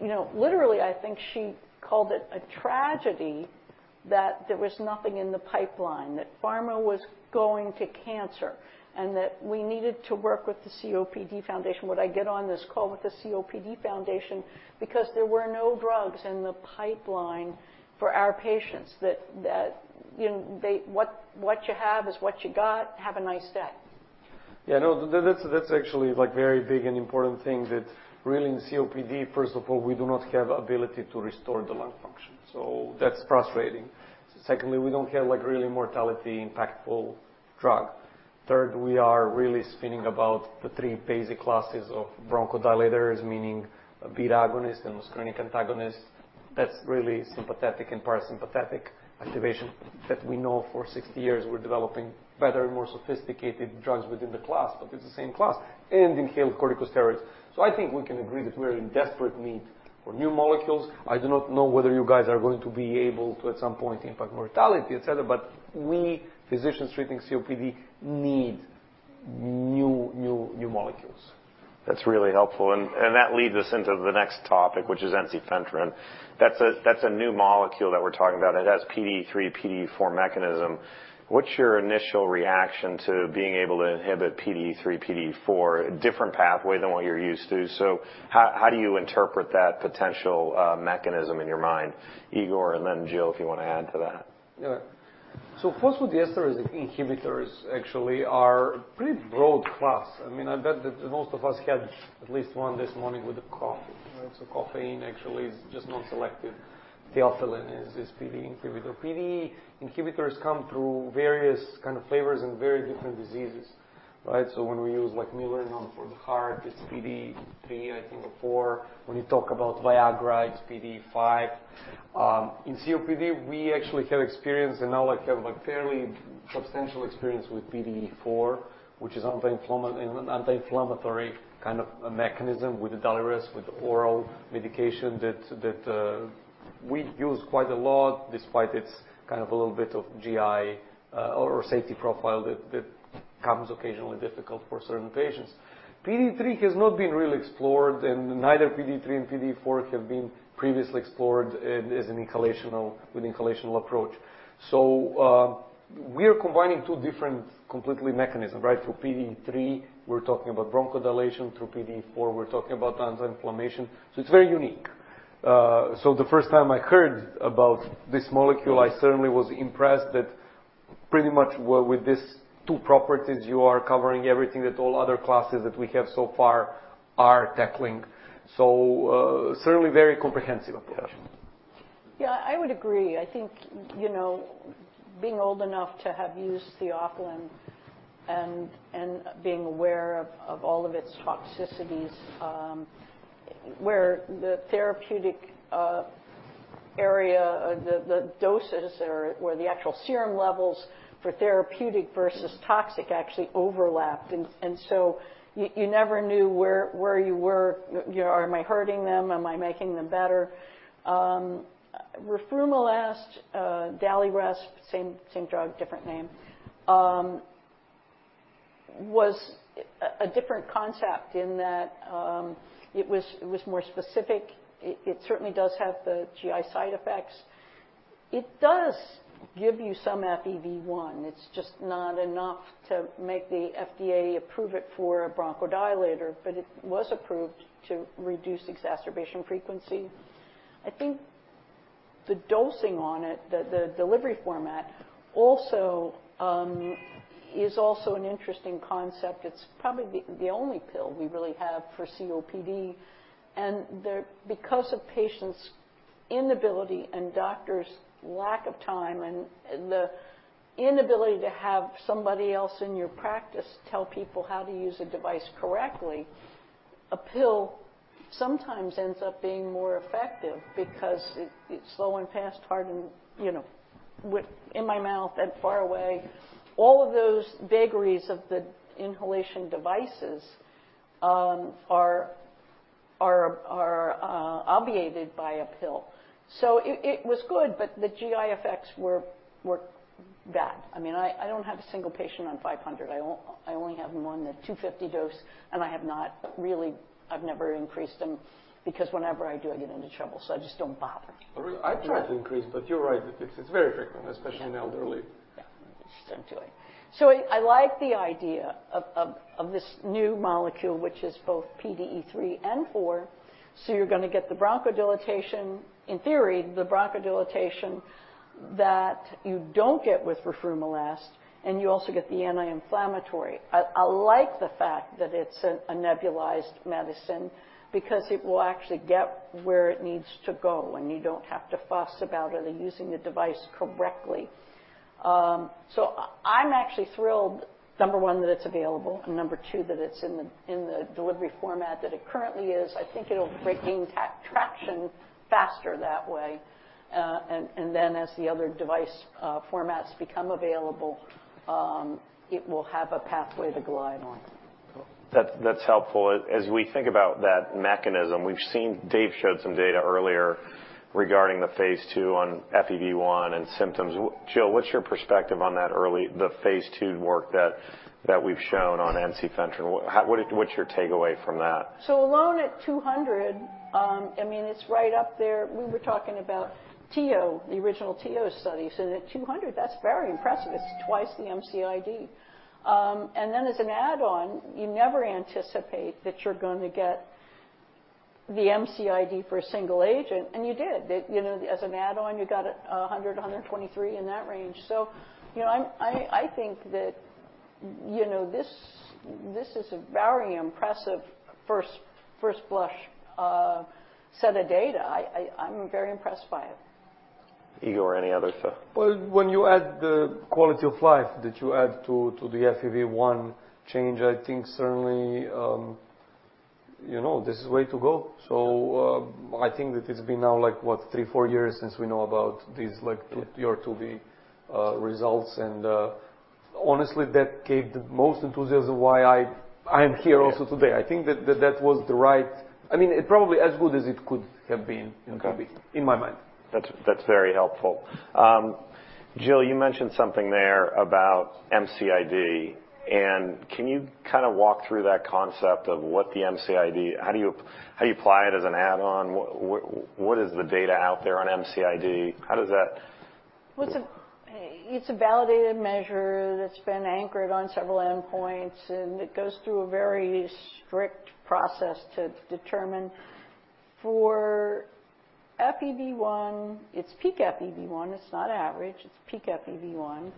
you know, literally I think she called it a tragedy that there was nothing in the pipeline, that pharma was going to cancer, and that we needed to work with the COPD Foundation. Would I get on this call with the COPD Foundation because there were no drugs in the pipeline for our patients that, you know, they. What you have is what you got. Have a nice day. Yeah, no, that's actually like very big and important thing that really in COPD, first of all, we do not have ability to restore the lung function. That's frustrating. Secondly, we don't have like, really mortality impactful drug. Third, we are really spinning about the three basic classes of bronchodilators, meaning beta agonist and muscarinic antagonist. That's really sympathetic and parasympathetic activation that we know for 60 years we're developing better and more sophisticated drugs within the class, but it's the same class, and inhaled corticosteroids. I think we can agree that we're in desperate need for new molecules. I do not know whether you guys are going to be able to at some point impact mortality, et cetera. We physicians treating COPD need new, new molecules. That's really helpful. That leads us into the next topic, which is ensifentrine. That's a new molecule that we're talking about. It has PDE3, PDE4 mechanism. What's your initial reaction to being able to inhibit PDE3, PDE4, a different pathway than what you're used to? How do you interpret that potential mechanism in your mind? Igor and then Jill, if you wanna add to that. Yeah. Phosphodiesterase inhibitors actually are pretty broad class. I mean, I bet that most of us had at least one this morning with a coffee, right? Caffeine actually is just non-selective. Theophylline is PDE inhibitor. PDE inhibitors come through various kind of flavors and very different diseases, right? When we use like milrinone for the heart, it's PDE3, I think, or 4. When you talk about Viagra, it's PDE5. In COPD, we actually have experience and now, like, have a fairly substantial experience with PDE4, which is anti-inflammatory kind of mechanism with the Daliresp, with oral medication that we use quite a lot despite its kind of a little bit of GI or safety profile that comes occasionally difficult for certain patients. PDE3 has not been really explored, and neither PDE3 and PDE4 have been previously explored as an inhalational approach. We are combining two completely different mechanisms, right? Through PDE3, we're talking about bronchodilation. Through PDE4, we're talking about anti-inflammation. It's very unique. The first time I heard about this molecule, I certainly was impressed that pretty much with these two properties, you are covering everything that all other classes that we have so far are tackling. Certainly very comprehensive approach. Yeah. Yeah, I would agree. I think, you know, being old enough to have used theophylline and being aware of all of its toxicities, where the therapeutic area, the doses or where the actual serum levels for therapeutic versus toxic actually overlapped. You never knew where you were. You know, am I hurting them? Am I making them better? Roflumilast, Daliresp, same drug, different name, was a different concept in that it was more specific. It certainly does have the GI side effects. It does give you some FEV1. It's just not enough to make the FDA approve it for a bronchodilator, but it was approved to reduce exacerbation frequency. I think the dosing on it, the delivery format also is also an interesting concept. It's probably the only pill we really have for COPD. Because of patients' inability and doctors' lack of time and the inability to have somebody else in your practice tell people how to use a device correctly, a pill sometimes ends up being more effective because it's slow and fast, hard and, you know, within my mouth and far away. All of those vagaries of the inhalation devices are obviated by a pill. It was good, but the GI effects were bad. I mean, I don't have a single patient on 500. I only have one at 250 dose, and I have never increased them because whenever I do, I get into trouble, so I just don't bother. I try to increase, but you're right. It's very frequent, especially in elderly. Yeah. I just don't do it. I like the idea of this new molecule, which is both PDE3 and 4. You're gonna get the bronchodilation, in theory, the bronchodilation that you don't get with roflumilast, and you also get the anti-inflammatory. I like the fact that it's a nebulized medicine because it will actually get where it needs to go, and you don't have to fuss about are they using the device correctly. I'm actually thrilled, number one, that it's available, and number two, that it's in the delivery format that it currently is. I think it'll gain traction faster that way, and then as the other device formats become available, it will have a pathway to glide on. Cool. That's helpful. As we think about that mechanism, we've seen Dave showed some data earlier regarding the phase 2 on FEV1 and symptoms. Jill, what's your perspective on that early phase 2 work that we've shown on ensifentrine? What's your takeaway from that? Alone at 200, I mean, it's right up there. We were talking about Tio, the original Tio study. At 200, that's very impressive. It's twice the MCID. Then as an add-on, you never anticipate that you're going to get the MCID for a single agent, and you did. You know, as an add-on, you got 100, 123 in that range. You know, I think that you know, this is a very impressive first blush set of data. I'm very impressed by it. Igor, any others? Well, when you add the quality of life that you add to the FEV1 change, I think certainly, you know, this is way to go. I think that it's been now like, what, 3 or 4 years since we know about these, like 2 or 2B results. Honestly, that gave the most enthusiasm why I'm here also today. Yeah. I think that was the right. I mean, it probably as good as it could have been- Okay in 2B, in my mind. That's very helpful. Jill, you mentioned something there about MCID, and can you kinda walk through that concept? How do you apply it as an add-on? What is the data out there on MCID? How does that? It's a validated measure that's been anchored on several endpoints, and it goes through a very strict process to determine. For FEV1, it's peak FEV1. It's not average, it's peak FEV1.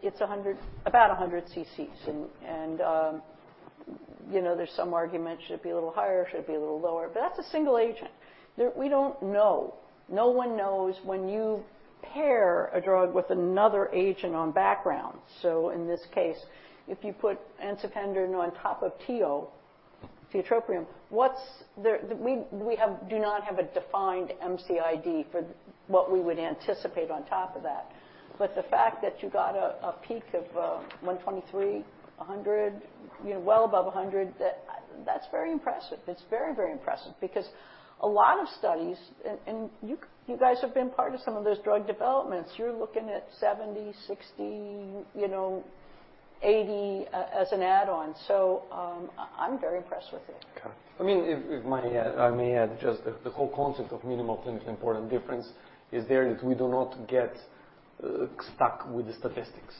It's 100, about 100 cc's. You know, there's some argument, should it be a little higher, should it be a little lower? That's a single agent. We don't know. No one knows when you pair a drug with another agent on background. In this case, if you put ensifentrine on top of TIO, tiotropium, we do not have a defined MCID for what we would anticipate on top of that. The fact that you got a peak of 123, 100, you know, well above 100, that's very impressive. It's very, very impressive because a lot of studies, and you guys have been part of some of those drug developments. You're looking at 70, 60, you know, 80 as an add-on. I'm very impressed with it. Got it. I mean, if I may add just the whole concept of minimal clinical important difference is there that we do not get stuck with the statistics,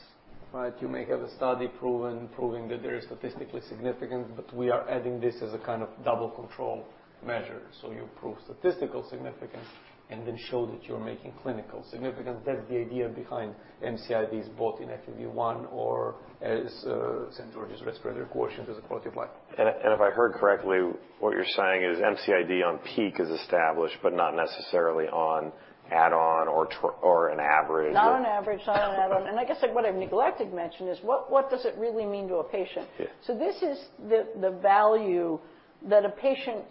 right? You may have a study proving that there is statistically significant, but we are adding this as a kind of double control measure. You prove statistical significance and then show that you're making clinical significance. That's the idea behind MCID's, both in FEV1 or as St. George's Respiratory Questionnaire as a quality of life. If I heard correctly, what you're saying is MCID on peak is established, but not necessarily on add-on or an average or- Not on average, not on add-on. I guess, like what I've neglected to mention is what does it really mean to a patient? Yeah. This is the value that a patient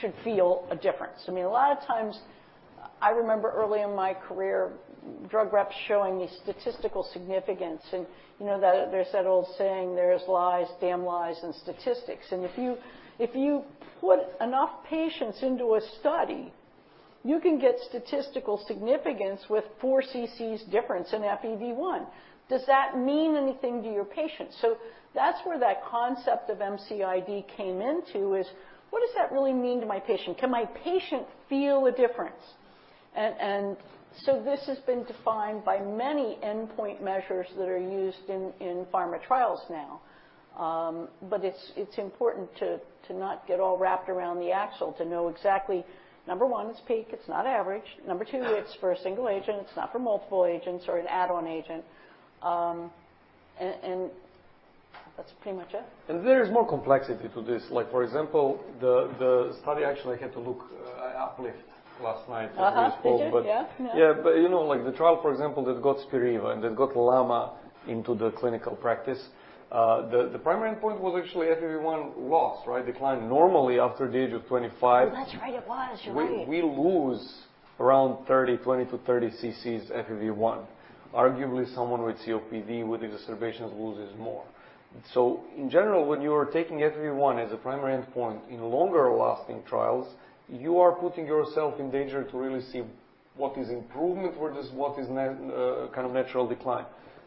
should feel a difference. I mean, a lot of times, I remember early in my career, drug reps showing me statistical significance and, you know, that there's that old saying, there's lies, damn lies and statistics. If you put enough patients into a study, you can get statistical significance with 4 cc's difference in FEV1. Does that mean anything to your patient? That's where that concept of MCID came into is, what does that really mean to my patient? Can my patient feel a difference? This has been defined by many endpoint measures that are used in pharma trials now. It's important to not get all wrapped around the axle to know exactly, number one, it's peak, it's not average. Number two, it's for a single agent, it's not for multiple agents or an add-on agent. That's pretty much it. There is more complexity to this. Like, for example, the study actually had to look UPLIFT last night- Did you? before this call. Yeah. Yeah. You know, like the trial, for example, that got Spiriva and that got LAMA into the clinical practice, the primary endpoint was actually FEV1 loss, right? Decline normally after the age of 25. Oh, that's right. It was. You're right. We lose around 30, 20-30 cc's FEV1. Arguably, someone with COPD with exacerbations loses more. In general, when you are taking FEV1 as a primary endpoint in longer lasting trials, you are putting yourself in danger to really see what is improvement versus what is kind of natural decline.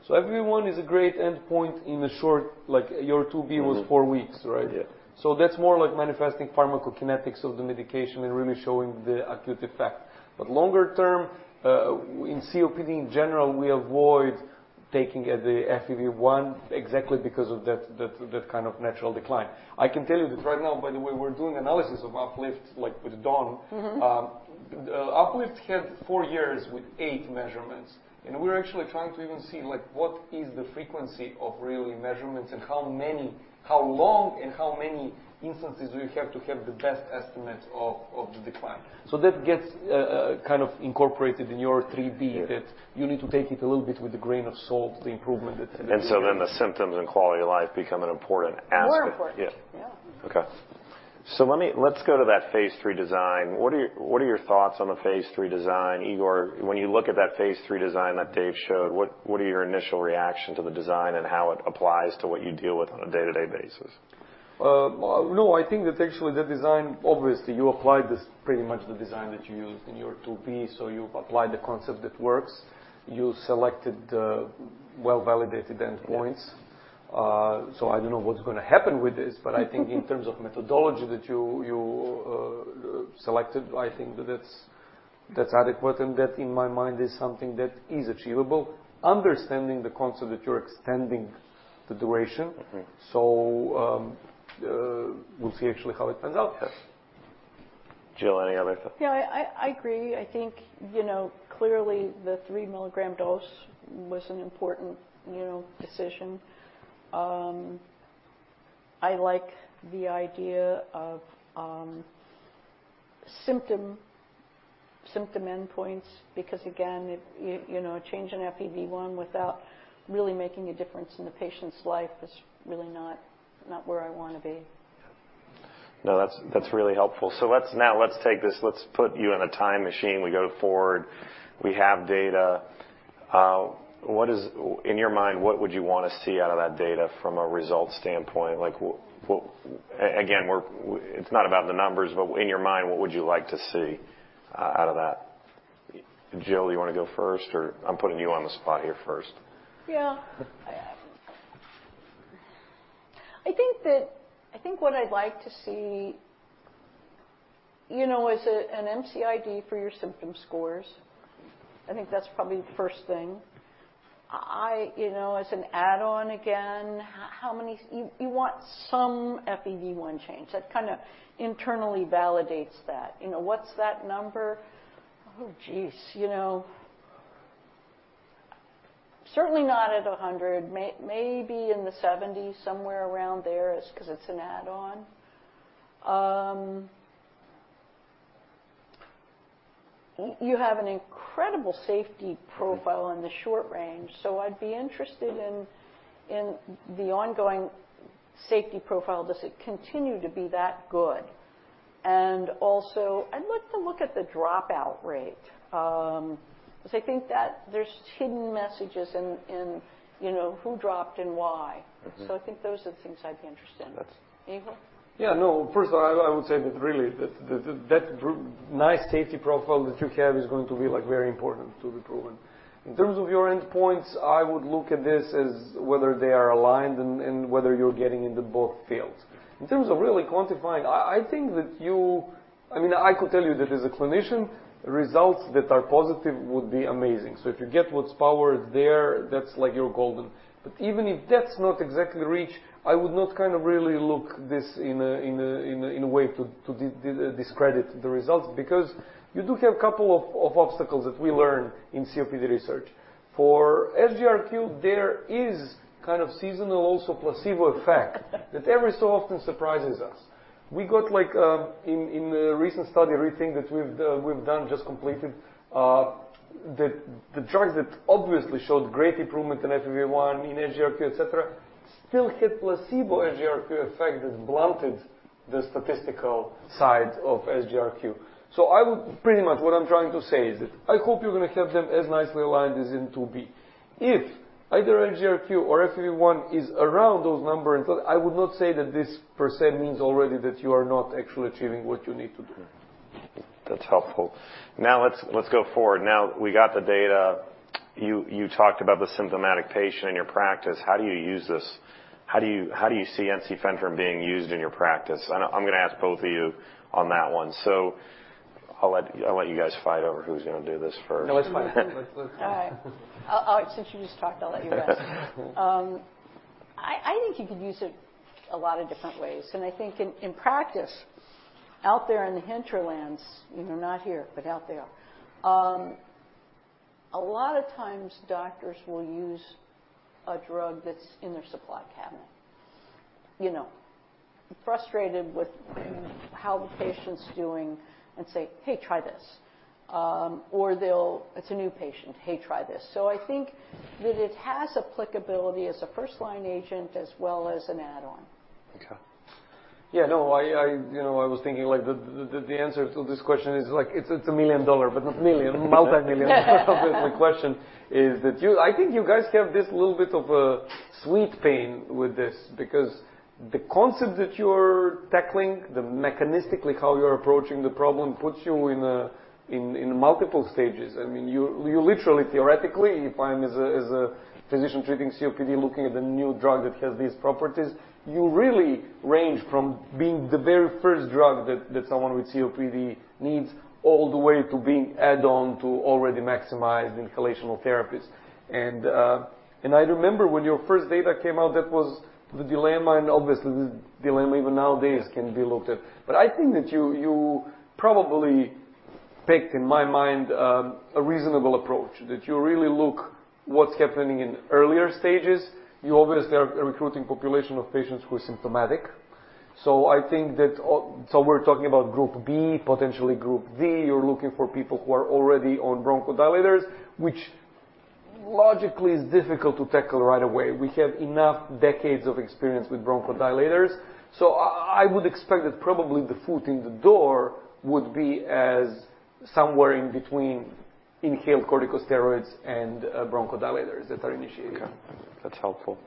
FEV1 is a great endpoint in the short, like your 2B was 4 weeks, right? Yeah. That's more like manifesting pharmacokinetics of the medication and really showing the acute effect. Longer term, in COPD in general, we avoid taking the FEV1 exactly because of that kind of natural decline. I can tell you that right now, by the way, we're doing analysis of UPLIFT, like with Don. Mm-hmm. UPLIFT had 4 years with 8 measurements, and we're actually trying to even see, like what is the frequency of really measurements and how many, how long and how many instances we have to have the best estimates of the decline. That gets kind of incorporated in your 3B- Yeah. that you need to take it a little bit with a grain of salt, the improvement that FEV1 has. The symptoms and quality of life become an important aspect. More important. Yeah. Yeah. Okay. Let's go to that phase three design. What are your thoughts on the phase three design? Igor, when you look at that phase three design that Dave showed, what are your initial reaction to the design and how it applies to what you deal with on a day-to-day basis? No, I think that actually the design, obviously, you applied this pretty much the design that you used in your 2B, so you've applied the concept that works. You selected well-validated endpoints. Yes. I don't know what's gonna happen with this. I think in terms of methodology that you selected, I think that's adequate, and that in my mind is something that is achievable. Understanding the concept that you're extending the duration. Mm-hmm. We'll see actually how it turns out. Yes. Jill, any other thoughts? Yeah. I agree. I think, you know, clearly, the 3-milligram dose was an important, you know, decision. I like the idea of symptom endpoints, because again, it, you know, a change in FEV1 without really making a difference in the patient's life is really not where I wanna be. No, that's really helpful. Let's take this. Let's put you in a time machine. We go forward, we have data. In your mind, what would you wanna see out of that data from a result standpoint? It's not about the numbers, but in your mind, what would you like to see out of that? Jill, you wanna go first, or I'm putting you on the spot here first. Yeah. I think what I'd like to see, you know, is an MCID for your symptom scores. I think that's probably the first thing. I, you know, as an add-on, again, you want some FEV1 change. That kinda internally validates that. You know, what's that number? Oh, geez, you know. Certainly not at 100. Maybe in the 70s, somewhere around there is 'cause it's an add-on. You have an incredible safety profile. Mm-hmm. In the short range, so I'd be interested in the ongoing safety profile. Does it continue to be that good? I'd like to look at the dropout rate, 'cause I think that there's hidden messages in you know, who dropped and why. Mm-hmm. I think those are the things I'd be interested in. That's- Igor? Yeah, no. First of all, I would say that really, that nice safety profile that you have is going to be, like, very important to the proven. In terms of your endpoints, I would look at this as whether they are aligned and whether you're getting into both fields. In terms of really quantifying, I think that you I mean, I could tell you that as a clinician, results that are positive would be amazing. If you get what's powered there, that's like you're golden. Even if that's not exactly reached, I would not kinda really look this in a way to discredit the results because you do have a couple of obstacles that we learn in COPD research. For SGRQ, there is kind of seasonal, also placebo effect that every so often surprises us. We got, like, in a recent study, everything that we've done. We've just completed the drugs that obviously showed great improvement in FEV1, in SGRQ, et cetera, still hit placebo SGRQ effect that blunted the statistical size of SGRQ. Pretty much what I'm trying to say is that I hope you're gonna have them as nicely aligned as in 2B. If either SGRQ or FEV1 is around those numbers, I would not say that this percent means already that you are not actually achieving what you need to do. That's helpful. Now let's go forward. Now we got the data. You talked about the symptomatic patient in your practice. How do you use this? How do you see ensifentrine being used in your practice? I'm gonna ask both of you on that one, so I'll let you guys fight over who's gonna do this first. No, it's fine. All right. Since you just talked, I'll let you rest. I think you could use it a lot of different ways. I think in practice out there in the hinterlands, you know, not here, but out there, a lot of times doctors will use a drug that's in their supply cabinet. You know, frustrated with how the patient's doing and say, "Hey, try this." Or it's a new patient, "Hey, try this." I think that it has applicability as a first-line agent as well as an add-on. Okay. Yeah, no. You know, I was thinking, like, the answer to this question is, like, it's a million dollar, but not million, multimillion-dollar question. Is that you-- I think you guys have this little bit of a sweet pain with this because the concept that you're tackling, the mechanistically how you're approaching the problem puts you in a, in multiple stages. I mean, you literally, theoretically, if I'm as a physician treating COPD, looking at the new drug that has these properties, you really range from being the very first drug that someone with COPD needs all the way to being add-on to already maximize inhalational therapies. I remember when your first data came out, that was the dilemma, and obviously, the dilemma even nowadays can be looked at. I think that you probably picked, in my mind, a reasonable approach, that you really look what's happening in earlier stages. You obviously are recruiting population of patients who are symptomatic. We're talking about group B, potentially group D. You're looking for people who are already on bronchodilators, which logically, it's difficult to tackle right away. We have enough decades of experience with bronchodilators. I would expect that probably the foot in the door would be as somewhere in between inhaled corticosteroids and bronchodilators that are initiated. Okay. That's helpful.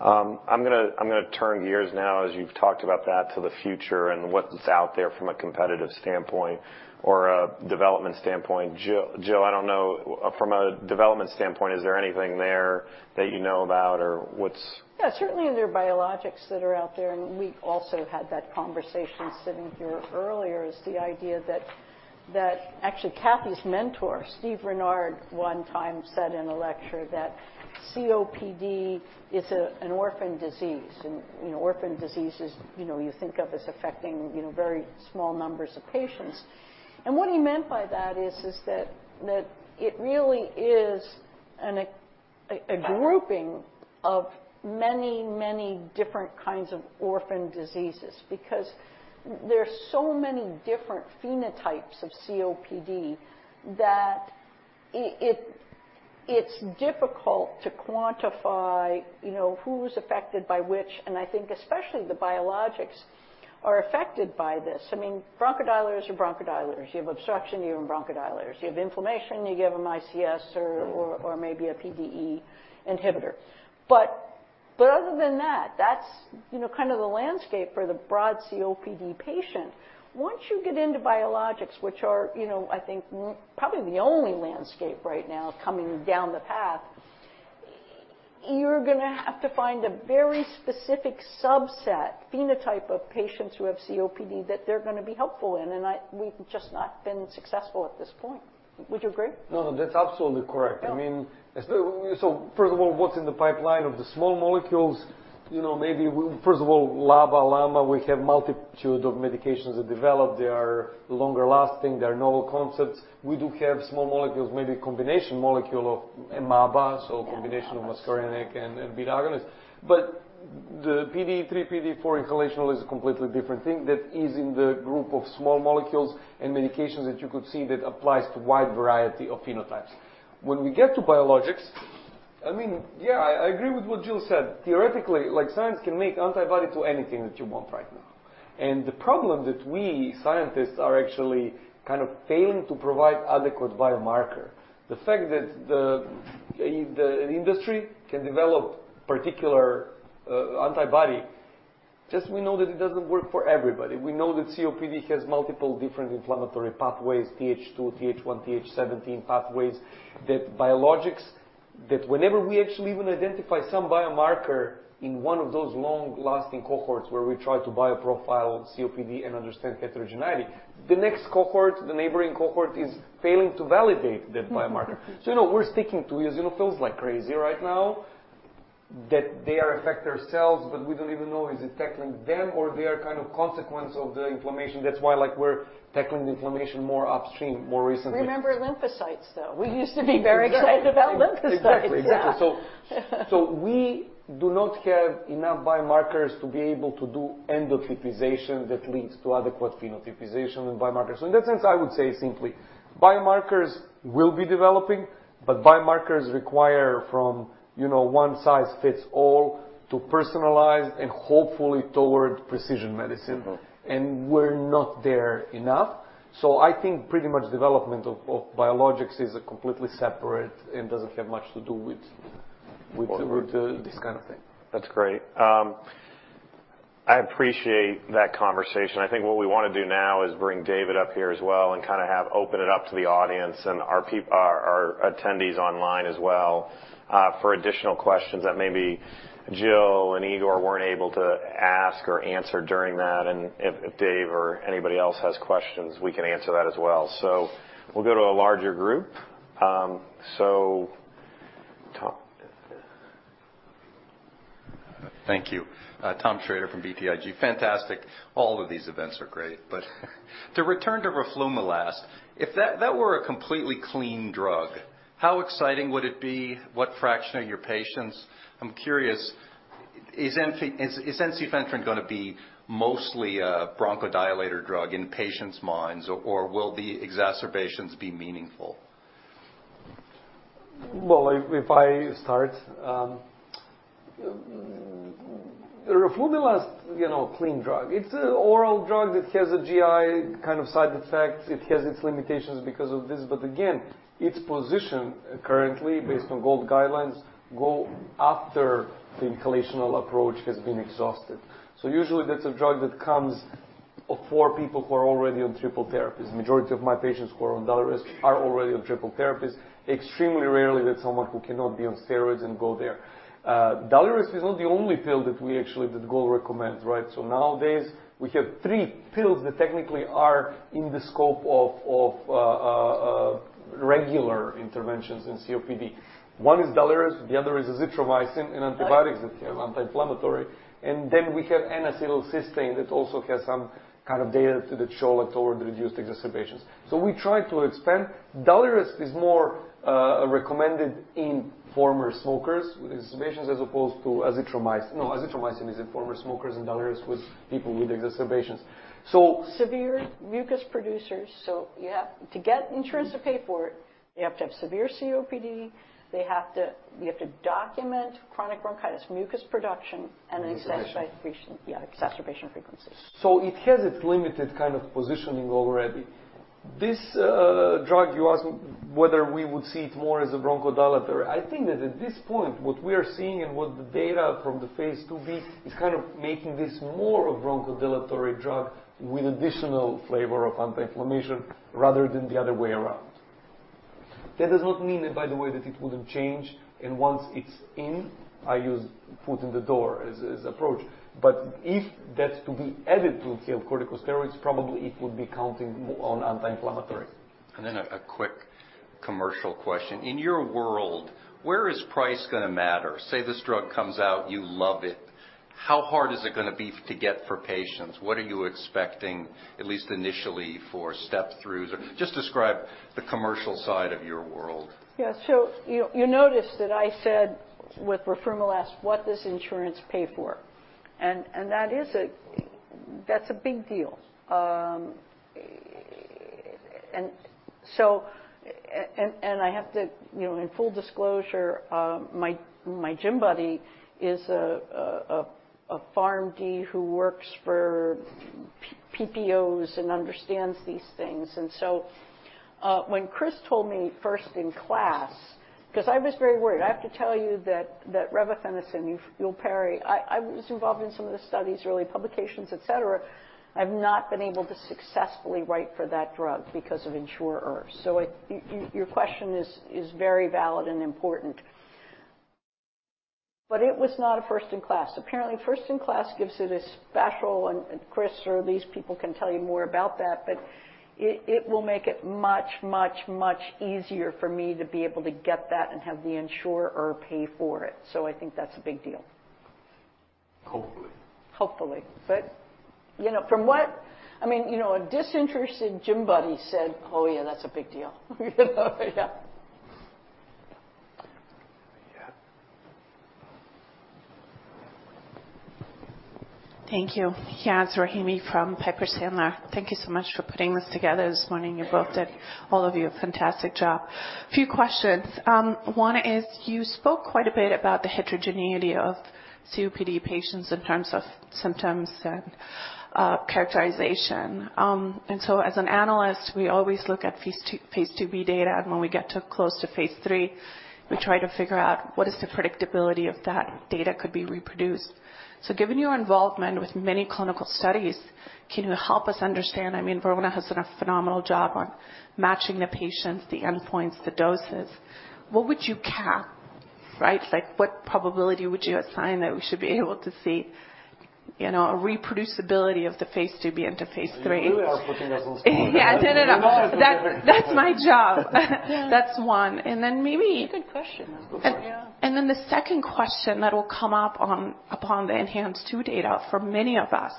I'm gonna shift gears now as you've talked about that to the future and what is out there from a competitive standpoint or a development standpoint. Jill, I don't know, from a development standpoint, is there anything there that you know about or what's? Yeah, certainly, there are biologics that are out there, and we also had that conversation sitting here earlier. It is the idea that actually Kathy's mentor, Steve Renard, one time said in a lecture that COPD is an orphan disease. You know, orphan diseases, you know, you think of as affecting, you know, very small numbers of patients. What he meant by that is that it really is a grouping of many different kinds of orphan diseases because there are so many different phenotypes of COPD that it's difficult to quantify, you know, who's affected by which, and I think especially the biologics are affected by this. I mean, bronchodilators are bronchodilators. You have obstruction, you give them bronchodilators. You have inflammation, you give them ICS or maybe a PDE inhibitor. other than that's, you know, kind of the landscape for the broad COPD patient. Once you get into biologics, which are, you know, I think probably the only landscape right now coming down the path, you're gonna have to find a very specific subset, phenotype of patients who have COPD that they're gonna be helpful in. We've just not been successful at this point. Would you agree? No, that's absolutely correct. Yeah. I mean, first of all, what's in the pipeline of the small molecules, you know, maybe first of all, LABA/LAMA, we have multitude of medications that developed. They are longer lasting, they are novel concepts. We do have small molecules, maybe combination molecule of MABA, so combination. Yeah, MABA. Of muscarinic and beta-agonists. The PDE3, PDE4 inhalational is a completely different thing that is in the group of small molecules and medications that you could see that applies to a wide variety of phenotypes. When we get to biologics, I mean, yeah, I agree with what Jill said. Theoretically, like, science can make antibody to anything that you want right now. The problem that we scientists are actually kind of failing to provide adequate biomarker. The fact that the industry can develop particular antibody, just we know that it doesn't work for everybody. We know that COPD has multiple different inflammatory pathways, TH2, TH1, TH17 pathways, that biologics, that whenever we actually even identify some biomarker in one of those long-lasting cohorts where we try to bioprofile COPD and understand heterogeneity, the next cohort, the neighboring cohort is failing to validate that biomarker. You know, we're sticking to it. You know, it feels like crazy right now that they are affect themselves, but we don't even know. Is it tackling them or they are kind of consequence of the inflammation. That's why, like, we're tackling inflammation more upstream, more recently. Remember lymphocytes, though. We used to be very excited about lymphocytes. Exactly. We do not have enough biomarkers to be able to do endotypization that leads to adequate phenotypization and biomarkers. In that sense, I would say simply, biomarkers will be developing, but biomarkers require from, you know, one-size-fits-all to personalized and hopefully toward precision medicine. Mm-hmm. We're not there enough. I think pretty much development of biologics is a completely separate and doesn't have much to do with the- Forward. this kind of thing. That's great. I appreciate that conversation. I think what we wanna do now is bring David up here as well and kinda open it up to the audience and our attendees online as well, for additional questions that maybe Jill and Igor weren't able to ask or answer during that. If Dave or anybody else has questions, we can answer that as well. We'll go to a larger group. Tom. Thank you. Thomas Shrader from BTIG. Fantastic. All of these events are great. To return to roflumilast, if that were a completely clean drug, how exciting would it be? What fraction of your patients? I'm curious, is ensifentrine gonna be mostly a bronchodilator drug in patients' minds, or will the exacerbations be meaningful? Well, if I start roflumilast, you know, clean drug. It's an oral drug that has a GI kind of side effect. It has its limitations because of this. Its position currently based on GOLD guidelines, go after the inhalational approach has been exhausted. Usually, that's a drug that comes for people who are already on triple therapies. Majority of my patients who are on Daliresp are already on triple therapies. Extremely rarely that someone who cannot be on steroids and go there. Daliresp is not the only pill that GOLD recommends, right? Nowadays, we have three pills that technically are in the scope of regular interventions in COPD. One is Daliresp, the other is azithromycin, an antibiotic that have anti-inflammatory. We have N-acetylcysteine that also has some kind of data that show it toward reduced exacerbations. We try to expand. Daliresp is more recommended in former smokers with exacerbations as opposed to azithromycin. No, azithromycin is in former smokers and Daliresp with people with exacerbations. Severe mucus producers. To get insurance to pay for it, they have to have severe COPD. You have to document chronic bronchitis, mucus production, and an exercise frequency. Frequency. Yeah, exacerbation frequency. It has its limited kind of positioning already. This drug, you asked whether we would see it more as a bronchodilator. I think that at this point, what we are seeing and what the data from the phase 2b is kind of making this more a bronchodilatory drug with additional flavor of anti-inflammation rather than the other way around. That does not mean that by the way, that it wouldn't change, and once it's in, I use foot in the door as approach. But if that's to be added to corticosteroids, probably it would be counting on anti-inflammatory. A quick commercial question. In your world, where is price gonna matter? Say this drug comes out, you love it. How hard is it gonna be to get for patients? What are you expecting, at least initially, for step-throughs? Or just describe the commercial side of your world. Yeah. You noticed that I said with roflumilast, what does insurance pay for? That is a big deal. I have to, you know, in full disclosure, my gym buddy is a Pharm.D. who works for PBMs and understands these things. When Chris told me first-in-class, because I was very worried. I have to tell you that revefenacin, Yupelri. I was involved in some of the studies, early publications, et cetera, I've not been able to successfully write for that drug because of insurers. Your question is very valid and important. It was not a first-in-class. Apparently, first-in-class gives it a special, and Chris or these people can tell you more about that, but it will make it much easier for me to be able to get that and have the insurer pay for it. I think that's a big deal. Hopefully. Hopefully. You know, I mean, you know, a disinterested gym buddy said, "Oh, yeah, that's a big deal." You know? Yeah. Yeah. Thank you. Yeah. It's Rahimi from Piper Sandler. Thank you so much for putting this together this morning. You both did, all of you, a fantastic job. A few questions. One is, you spoke quite a bit about the heterogeneity of COPD patients in terms of symptoms and characterization. As an analyst, we always look at phase 2, phase 2b data, and when we get to close to phase 3, we try to figure out what is the predictability of that data could be reproduced. Given your involvement with many clinical studies, can you help us understand? I mean, Verona has done a phenomenal job on matching the patients, the endpoints, the doses. What would you cap, right? Like, what probability would you assign that we should be able to see, you know, a reproducibility of the phase 2b into phase 3? You really are putting us on spot. Yeah, I did it. We love it. That's my job. Yeah. That's one. Good question. The second question that will come up upon the ENHANCE-2 data for many of us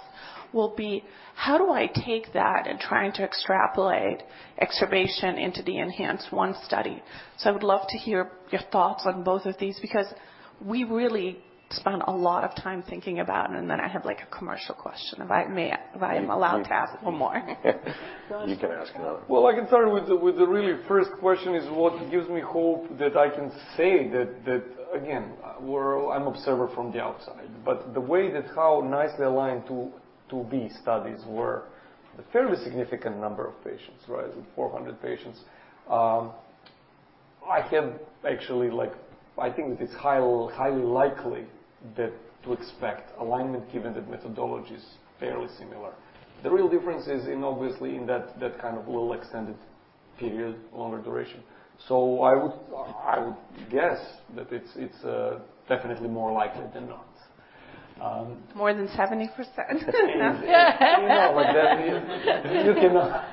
will be, how do I take that in trying to extrapolate exacerbation into the ENHANCE-1 study? I would love to hear your thoughts on both of these because we really spend a lot of time thinking about it, and then I have, like, a commercial question, if I may, if I am allowed to ask one more. You can ask another. Well, I can start with the real first question is what gives me hope that I can say that again. I'm observer from the outside, but the way that how nicely aligned two 2B studies were a fairly significant number of patients, right, 400 patients. I have actually, like, I think it is highly likely to expect alignment given that methodology's fairly similar. The real difference is in, obviously, in that kind of little extended period, longer duration. I would guess that it's definitely more likely than not. More than 70%? You know what that means. You cannot.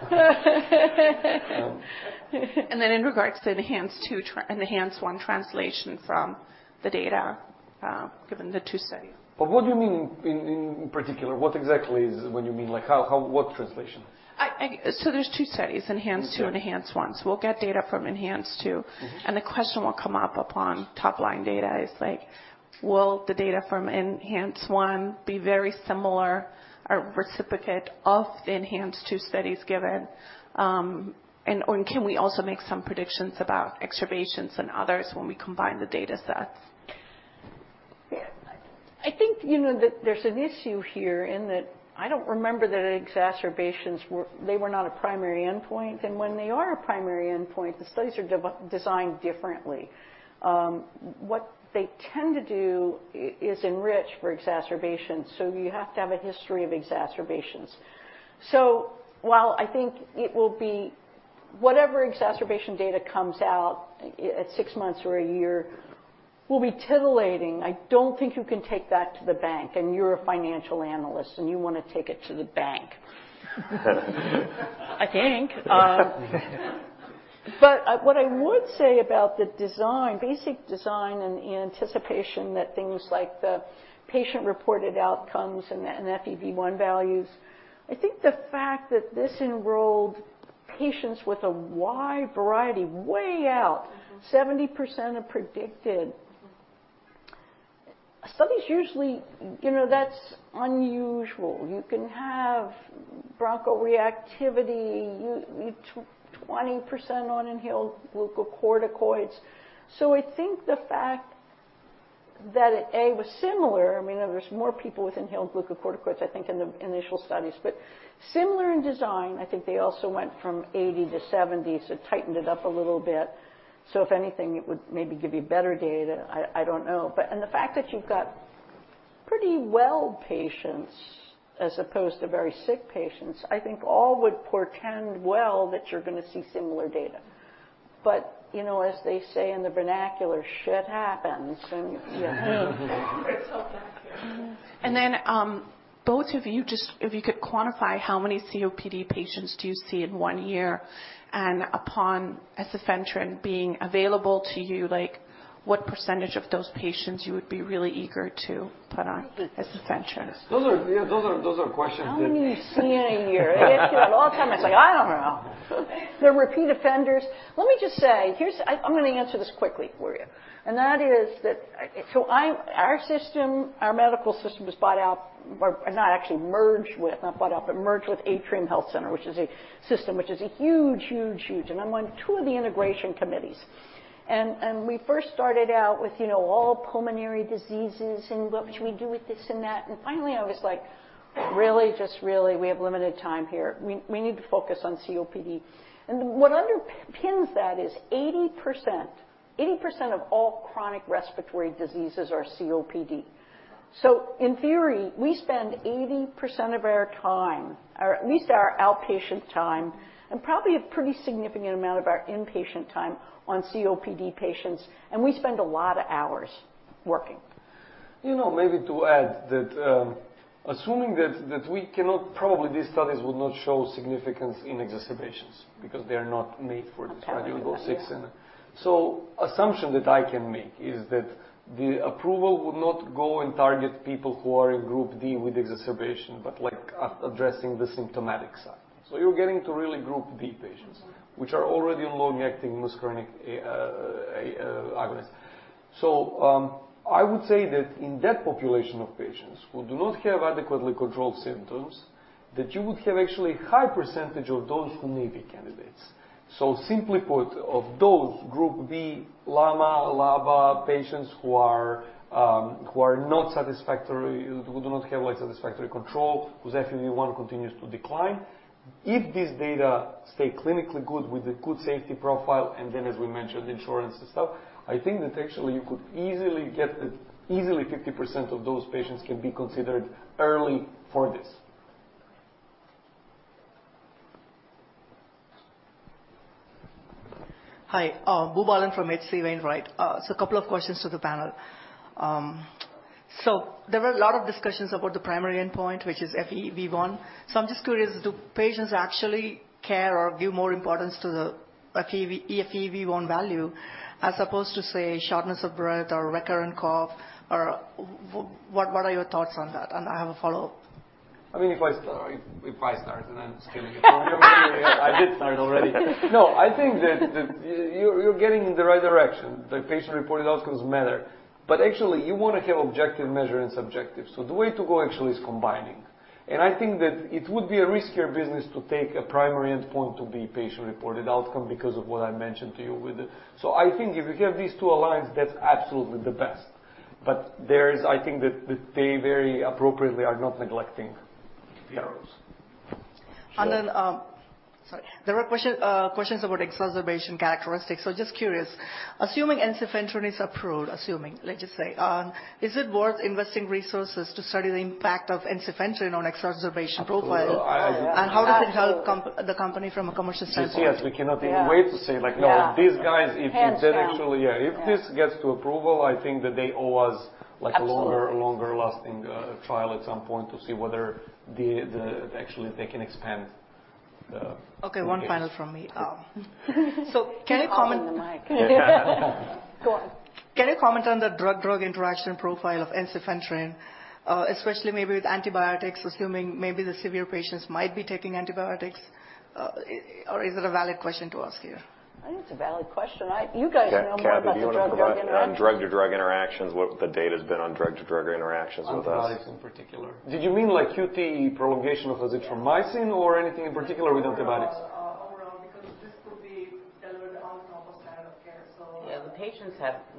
In regards to ENHANCE-2 ENHANCE-1 translation from the data, given the two studies. What do you mean in particular? What exactly is when you mean, like, how what translation? There's two studies, ENHANCE-2 and ENHANCE-1. We'll get data from ENHANCE-2. Mm-hmm. The question will come up upon top-line data is, like, will the data from ENHANCE-1 be very similar or replicate the ENHANCE-2 studies given and/or can we also make some predictions about exacerbations and others when we combine the data sets? I think you know that there's an issue here in that I don't remember that exacerbations were not a primary endpoint. When they are a primary endpoint, the studies are designed differently. What they tend to do is enrich for exacerbations, so you have to have a history of exacerbations. While I think it will be whatever exacerbation data comes out at six months or a year will be titillating, I don't think you can take that to the bank, and you're a financial analyst, and you wanna take it to the bank. I think. What I would say about the design, basic design, and anticipation that things like the patient-reported outcomes and FEV1 values, I think the fact that this enrolled patients with a wide variety, way out, 70% predicted. Studies usually, you know, that's unusual. You can have bronchoreactivity, 20% on inhaled glucocorticoids. I think the fact that A was similar. I mean, there's more people with inhaled glucocorticoids, I think, in the initial studies, but similar in design. I think they also went from 80 to 70, so tightened it up a little bit. If anything, it would maybe give you better data. I don't know. The fact that you've got pretty well patients as opposed to very sick patients, I think all would portend well that you're gonna see similar data. You know, as they say in the vernacular, shit happens. Yeah. Then, both of you, just if you could quantify how many COPD patients do you see in one year? Upon ensifentrine being available to you, like, what percentage of those patients you would be really eager to put on ensifentrine? Those are questions that- How many do you see in a year? They ask me that all the time, it's like, I don't know. They're repeat offenders. Let me just say, I'm gonna answer this quickly for you. That is that, so our system, our medical system was bought out or not actually, merged with, not bought out, but merged with Atrium Health Center, which is a system, which is a huge. I'm on two of the integration committees. We first started out with, you know, all pulmonary diseases and what should we do with this and that. Finally, I was like, "Really? Just really, we have limited time here. We need to focus on COPD." What underpins that is 80% of all chronic respiratory diseases are COPD. In theory, we spend 80% of our time, or at least our outpatient time, and probably a pretty significant amount of our inpatient time on COPD patients, and we spend a lot of hours working. You know, maybe to add that, assuming that probably these studies would not show significance in exacerbations because they are not made for the Schedule six. Okay. Yeah. Assumption that I can make is that the approval would not go and target people who are in group B with exacerbation, but like addressing the symptomatic side. You're getting to really group B patients- Mm-hmm. which are already on long-acting muscarinic agonist. I would say that in that population of patients who do not have adequately controlled symptoms, that you would have actually high percentage of those who may be candidates. Simply put, of those group B LAMA/LABA patients who are not satisfactory, who do not have, like, satisfactory control, whose FEV1 continues to decline. If this data stay clinically good with a good safety profile, and then as we mentioned, insurance and stuff, I think that actually you could easily get it, easily 50% of those patients can be considered early for this. Hi. Boobalan from H.C. Wainwright. A couple of questions to the panel. There were a lot of discussions about the primary endpoint, which is FEV1. I'm just curious, do patients actually care or give more importance to the FEV1 value as opposed to, say, shortness of breath or recurrent cough? What are your thoughts on that? I have a follow-up. I mean, if I start. No, I'm just kidding. I did start already. No, I think that you're getting in the right direction. The patient-reported outcomes matter. Actually, you wanna have objective measure and subjective. The way to go actually is combining. I think that it would be a riskier business to take a primary endpoint to be patient-reported outcome because of what I mentioned to you with it. I think if you have these two aligned, that's absolutely the best. There is. I think that they very appropriately are not neglecting PROs. Sorry. There were questions about exacerbation characteristics. Just curious, assuming ensifentrine is approved, assuming, let's just say, is it worth investing resources to study the impact of ensifentrine on exacerbation profile? Absolutely. How does it help the company from a commercial standpoint? You see us, we cannot even wait to say like. Yeah. No, these guys, if they actually Hands down. Yeah. If this gets to approval, I think that they owe us like a longer- Absolutely. longer lasting trial at some point to see whether, actually, they can expand the. Okay, one final from me. Can you comment? He's holding the mic. Go on. Can you comment on the drug-drug interaction profile of ensifentrine, especially maybe with antibiotics, assuming maybe the severe patients might be taking antibiotics? Or is it a valid question to ask you? I think it's a valid question. You guys know more about the drug-to-drug interaction. Kathy, do you wanna provide on drug-to-drug interactions? What the data's been on drug-to-drug interactions with us. On products in particular. Did you mean like QT prolongation of azithromycin or anything in particular with antibiotics? Overall, because this could be delivered on top of standard of care. Yeah, the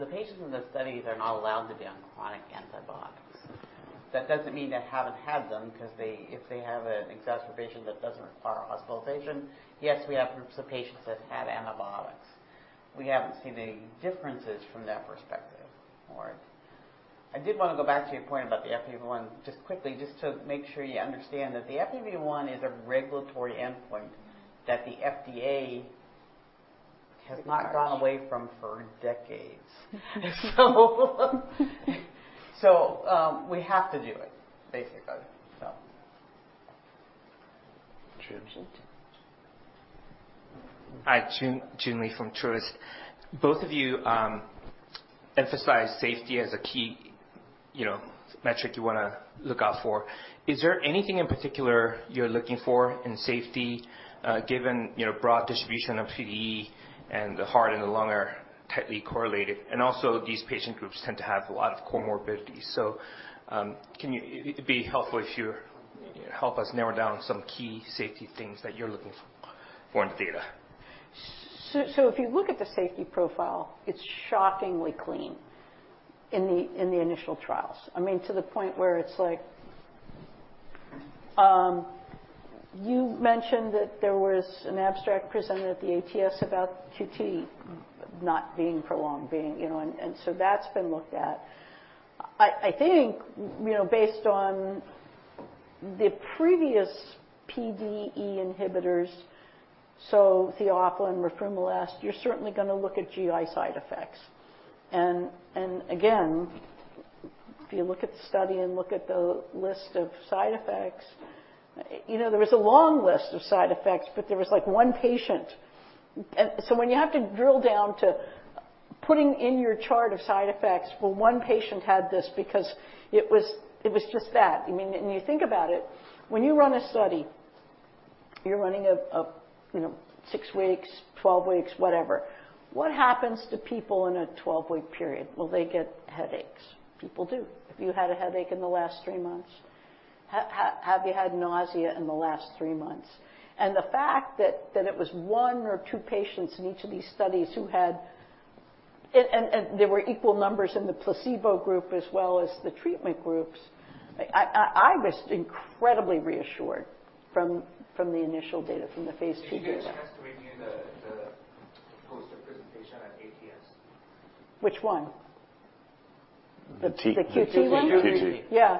patients in the study, they're not allowed to be on chronic antibiotics. That doesn't mean they haven't had them, 'cause if they have an exacerbation that doesn't require hospitalization, yes, we have groups of patients that have had antibiotics. We haven't seen any differences from that perspective. I did wanna go back to your point about the FEV1 just quickly, just to make sure you understand that the FEV1 is a regulatory endpoint that the FDA has not gone away from for decades. We have to do it, basically. Joon Lee. Hi, Joon Lee from Truist. Both of you, emphasize safety as a key, you know, metric you wanna look out for. Is there anything in particular you're looking for in safety, given, you know, broad distribution of PDE and the heart and the lung are tightly correlated, and also these patient groups tend to have a lot of comorbidities? It'd be helpful if you help us narrow down some key safety things that you're looking for the data. If you look at the safety profile, it's shockingly clean in the initial trials. I mean, to the point where it's like, you mentioned that there was an abstract presented at the ATS about QT. Not being prolonged, you know, so that's been looked at. I think, you know, based on the previous PDE inhibitors, so theophylline, roflumilast, you're certainly gonna look at GI side effects. Again, if you look at the study and look at the list of side effects, you know, there was a long list of side effects, but there was, like, one patient. So when you have to drill down to putting in your chart of side effects, well, one patient had this because it was just that. I mean, when you think about it, when you run a study, you're running a, you know, six weeks, 12 weeks, whatever. What happens to people in a 12-week period? Will they get headaches? People do. Have you had a headache in the last three months? Have you had nausea in the last three months? The fact that it was one or two patients in each of these studies who had. They were equal numbers in the placebo group as well as the treatment groups. I was incredibly reassured from the initial data, from the phase 2 data. Did you get a chance to review the poster presentation at ATS? Which one? The T- The QT one? The QT. Yeah.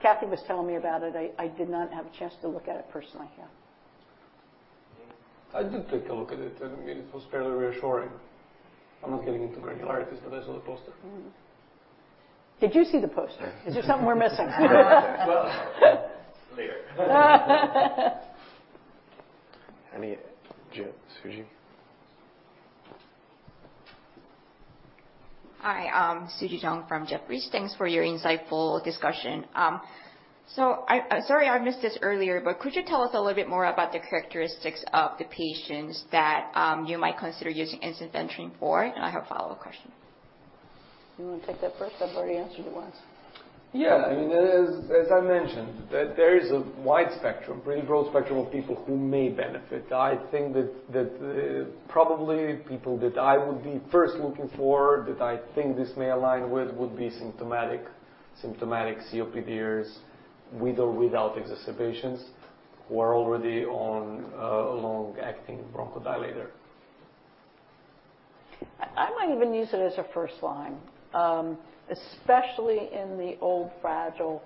Kathleen was telling me about it. I did not have a chance to look at it personally. Yeah. I did take a look at it, and I mean, it was fairly reassuring. I'm not getting into irregularities, but I saw the poster. Mm-hmm. Did you see the poster? Is there something we're missing? Well... Later. Any, Suji? Hi, I'm Suji Jeong from Jefferies. Thanks for your insightful discussion. So, sorry I missed this earlier, but could you tell us a little bit more about the characteristics of the patients that you might consider using ensifentrine for? I have a follow-up question. You wanna take that first? I've already answered it once. Yeah. I mean, as I mentioned, that there is a wide spectrum, pretty broad spectrum of people who may benefit. I think probably people that I would be first looking for, that I think this may align with, would be symptomatic COPDers, with or without exacerbations, who are already on a long-acting bronchodilator. I might even use it as a first line, especially in the older frail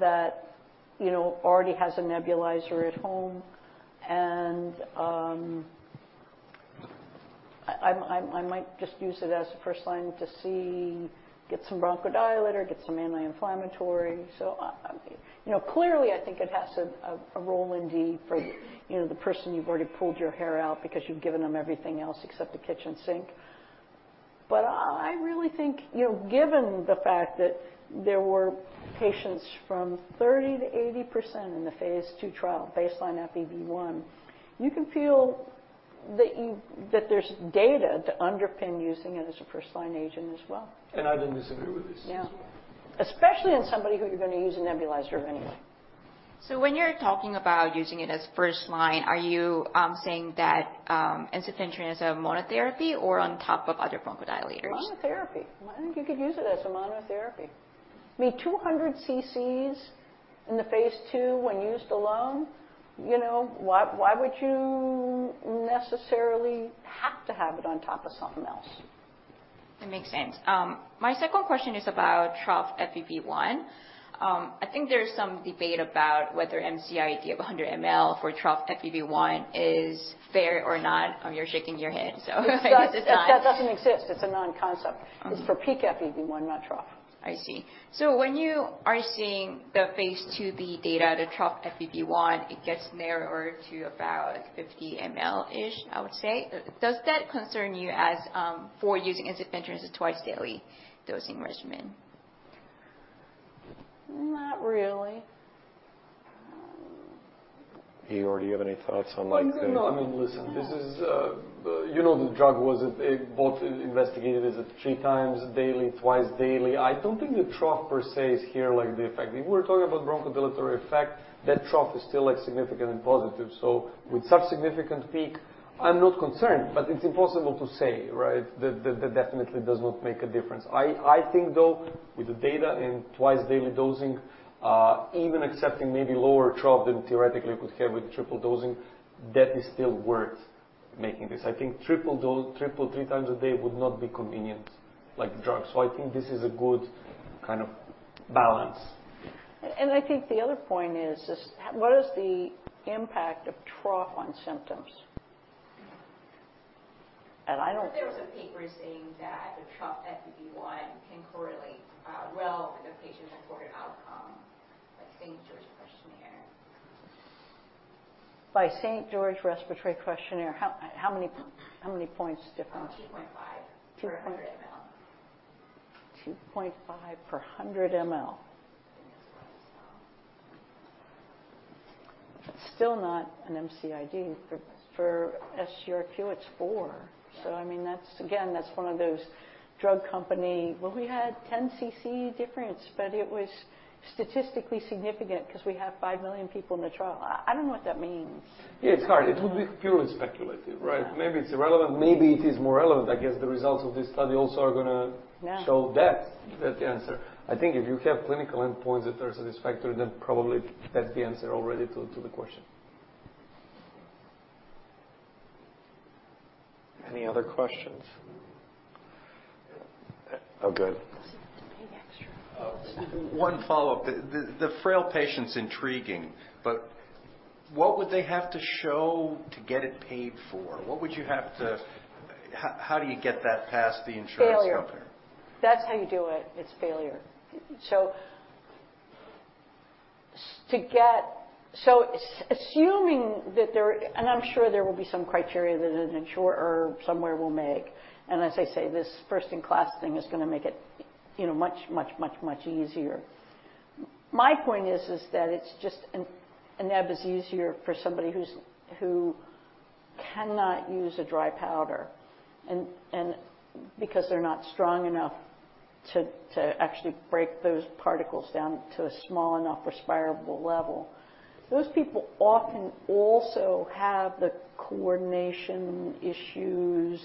that you know already has a nebulizer at home, and I might just use it as a first line to see, get some bronchodilator, get some anti-inflammatory. I you know clearly think it has a role indeed for you know the person you've already pulled your hair out because you've given them everything else except the kitchen sink. I really think you know given the fact that there were patients from 30%-80% in the phase 2 trial baseline FEV1 you can feel that there's data to underpin using it as a first-line agent as well. I don't disagree with this. Yeah. Especially in somebody who you're gonna use a nebulizer anyway. When you're talking about using it as first-line, are you saying that ensifentrine is a monotherapy or on top of other bronchodilators? Monotherapy. I think you could use it as a monotherapy. I mean, 200 cc's in the phase 2 when used alone, you know. Why would you necessarily have to have it on top of something else? That makes sense. My second question is about trough FEV1. I think there is some debate about whether MCID of 100 ml for trough FEV1 is fair or not. You're shaking your head, so I guess it's not. It does. That doesn't exist. It's a non-concept. Mm-hmm. It's for peak FEV1, not trough. I see. When you are seeing the phase 2b data, the trough FEV1, it gets narrower to about 50 ml-ish, I would say. Does that concern you as for using ensifentrine as a twice-daily dosing regimen? Not really. Igor, do you have any thoughts on like the? Like, no, I mean, listen. This is, you know, the drug was both investigated as three times daily, twice daily. I don't think the trough per se is here, like the effect. If we're talking about bronchodilatory effect, that trough is still, like, significant and positive. With such significant peak, I'm not concerned, but it's impossible to say, right, that definitely does not make a difference. I think, though, with the data in twice-daily dosing, even accepting maybe lower trough than theoretically you could have with triple dosing, that is still worth making this. I think triple dose, triple three times a day would not be convenient like drug. I think this is a good kind of balance. I think the other point is just what is the impact of trough on symptoms? I don't- I think there was a paper saying that the trough FEV1 can correlate well with the patient-reported outcome, like St. George's questionnaire. By St. George's Respiratory Questionnaire, how many points difference? 2.5. Two point- Per 100 ml. 2.5 per 100 ml. Still not an MCID. For SGRQ, it's 4. I mean, that's again one of those drug company. Well, we had 10 cc difference, but it was statistically significant 'cause we have 5 million people in the trial. I don't know what that means. Yeah, it's hard. It would be purely speculative, right? Yeah. Maybe it's irrelevant. Maybe it is more relevant. I guess the results of this study also are gonna- Yeah. That answer. I think if you have clinical endpoints that are satisfactory, then probably that's the answer already to the question. Any other questions? Go ahead. You have to pay extra. One follow-up. The frail patient's intriguing, but what would they have to show to get it paid for? What would you have to. How do you get that past the insurance company? Failure. That's how you do it. It's failure. Assuming that there, I'm sure there will be some criteria that an insurer somewhere will make. As I say, this first-in-class thing is gonna make it, you know, much easier. My point is that it's just a neb is easier for somebody who cannot use a dry powder and because they're not strong enough to actually break those particles down to a small enough respirable level. Those people often also have the coordination issues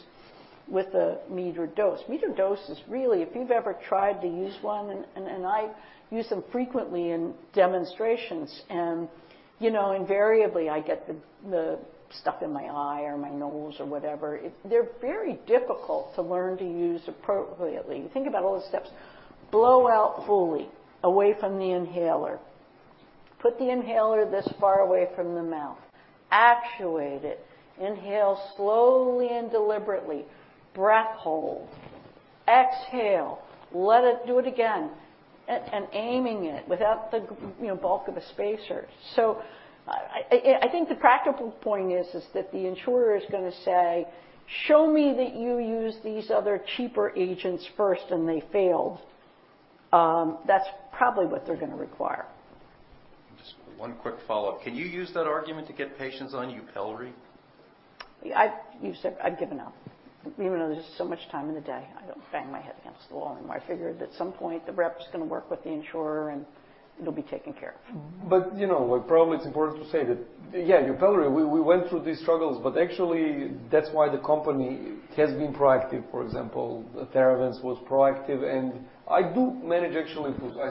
with a metered dose. Metered dose is really, if you've ever tried to use one, and I use them frequently in demonstrations, and you know, invariably I get the stuff in my eye or my nose or whatever. They're very difficult to learn to use appropriately. Think about all the steps. Blow out fully, away from the inhaler. Put the inhaler this far away from the mouth. Actuate it. Inhale slowly and deliberately. Breath hold. Exhale. Let it do it again. And aiming it without the, you know, bulk of a spacer. I think the practical point is that the insurer is gonna say, "Show me that you used these other cheaper agents first, and they failed." That's probably what they're gonna require. Just one quick follow-up. Can you use that argument to get patients on Yupelri? You said I've given up. Even though there's so much time in the day, I don't bang my head against the wall anymore. I figured at some point the rep's gonna work with the insurer, and it'll be taken care of. You know, like, probably it's important to say that, yeah, Yupelri, we went through these struggles, but actually that's why the company has been proactive. For example, Theravance was proactive, and I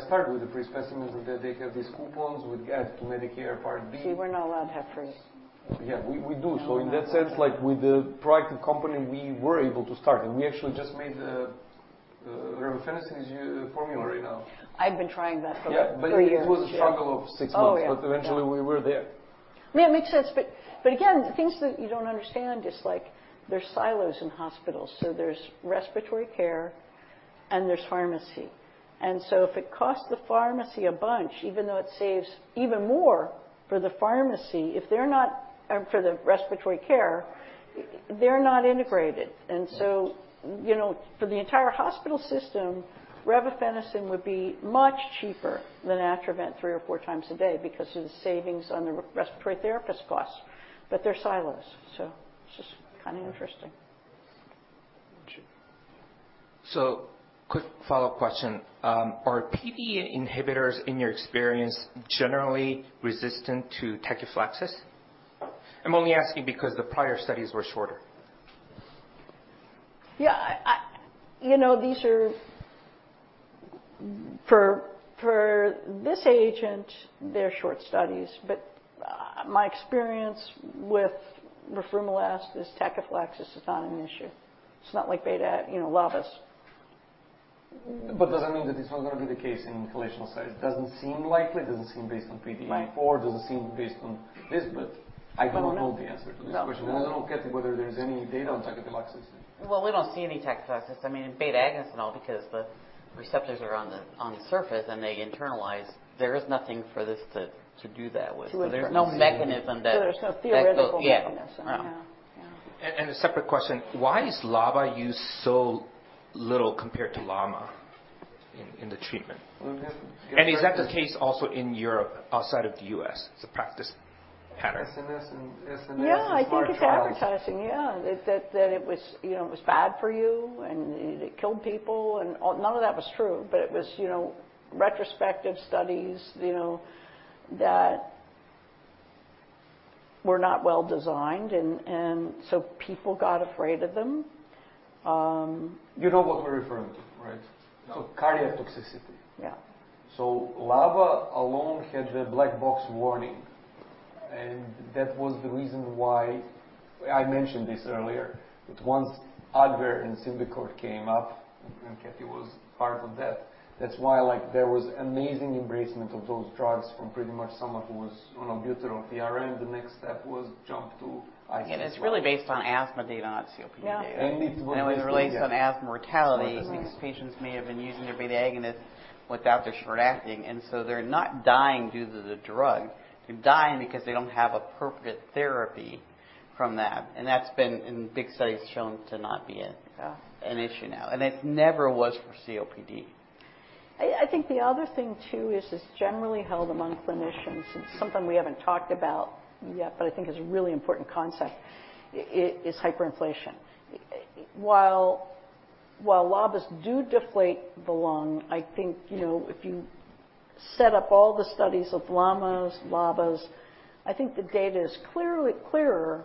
start with the free specimens, and then they have these coupons with add to Medicare Part D. See, we're not allowed to have free. Yeah, we do. In that sense, like, with a proactive company, we were able to start, and we actually just made revefenacin nebulizer formulation right now. I've been trying that for- Yeah 3 years. It was a struggle of six months. Oh, yeah. Eventually we were there. I mean, that makes sense. Again, the things that you don't understand is like there's silos in hospitals, so there's respiratory care and there's pharmacy. If it costs the pharmacy a bunch, even though it saves even more for the pharmacy, if they're not for the respiratory care, they're not integrated. You know, for the entire hospital system, Revefenacin would be much cheaper than Atrovent 3 or 4 times a day because of the savings on the respiratory therapist costs. They're silos, so it's just kinda interesting. Sure. Quick follow-up question. Are PDE inhibitors, in your experience, generally resistant to tachyphylaxis? I'm only asking because the prior studies were shorter. Yeah, you know, these are for this agent, they're short studies, but my experience with roflumilast is tachyphylaxis is not an issue. It's not like beta, you know, LABAs. Does that mean that it's not gonna be the case in inhalational studies? Doesn't seem likely. Doesn't seem based on PDE- Right. Doesn't seem based on this, but- I don't know. I don't know the answer to this question. No. I don't know, Kathy, whether there's any data on tachyphylaxis. Well, we don't see any tachyphylaxis. I mean, in beta agonists and all, because the receptors are on the surface, and they internalize. There is nothing for this to do that with. To experience. There's no mechanism that- There's no theoretical mechanism. Yeah. Yeah. Yeah. A separate question. Why is LABA used so little compared to LAMA in the treatment? Mm-hmm. Is that the case also in Europe, outside of the U.S.? It's a practice pattern? ENHANCE-1 and ENHANCE-2 are trials. Yeah, I think it's advertising. Yeah. That it was, you know, it was bad for you, and it killed people. None of that was true, but it was, you know, retrospective studies, you know, that were not well-designed and so people got afraid of them. You know what we're referring to, right? Yeah. Cardiotoxicity. Yeah. LABA alone had the black box warning, and that was the reason why, I mentioned this earlier, that once Advair and Symbicort came up, and Kathy was part of that's why, like, there was amazing embracement of those drugs from pretty much someone who was on albuterol PRN. The next step was jump to ICS/LABAs. Again, it's really based on asthma data, not COPD data. Yeah. This is what it is, yeah. When it relates on asthma mortality. Right These patients may have been using their beta agonist without the short-acting, and so they're not dying due to the drug. They're dying because they don't have appropriate therapy from that, and that's been in big studies shown to not be a Yeah not an issue now, and it never was for COPD. I think the other thing too is generally held among clinicians, and something we haven't talked about yet, but I think is a really important concept is hyperinflation. While LABAs do deflate the lung, I think, you know, if you set up all the studies of LAMAs, LABAs, I think the data is clearly clearer,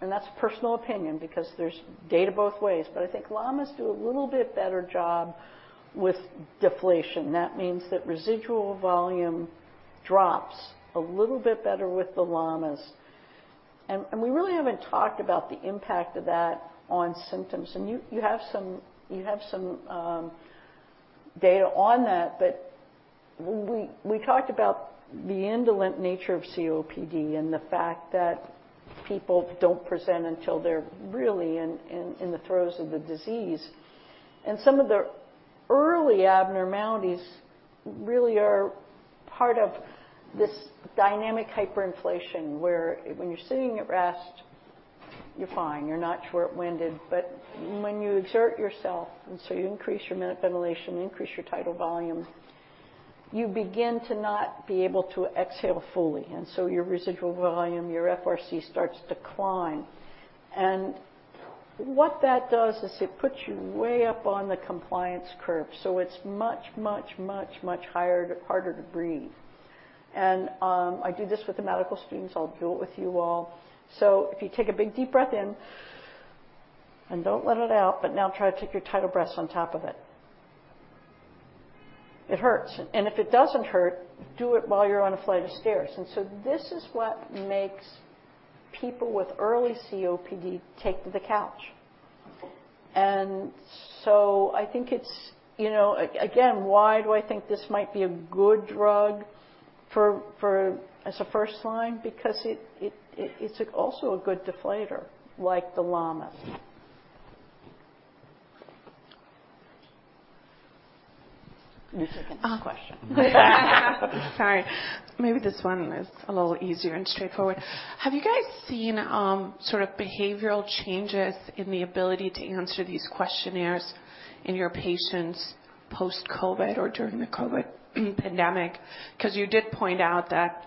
and that's personal opinion because there's data both ways. I think LAMAs do a little bit better job with deflation. That means that residual volume drops a little bit better with the LAMAs. We really haven't talked about the impact of that on symptoms. You have some data on that, but we talked about the indolent nature of COPD and the fact that people don't present until they're really in the throes of the disease. Some of the early abnormalities really are part of this dynamic hyperinflation, where when you're sitting at rest, you're fine, you're not short-winded. When you exert yourself, and so you increase your minute ventilation, increase your tidal volume, you begin to not be able to exhale fully. Your residual volume, your FRC starts to decline. What that does is it puts you way up on the compliance curve, so it's much harder to breathe. I do this with the medical students. I'll do it with you all. If you take a big deep breath in, and don't let it out, but now try to take your tidal breaths on top of it. It hurts. If it doesn't hurt, do it while you're on a flight of stairs. This is what makes people with early COPD take to the couch. I think it's, you know, again, why do I think this might be a good drug for as a first-line? Because it's also a good dilator like the LAMAs. You take the next question. Sorry. Maybe this one is a little easier and straightforward. Have you guys seen sort of behavioral changes in the ability to answer these questionnaires in your patients post-COVID or during the COVID pandemic? 'Cause you did point out that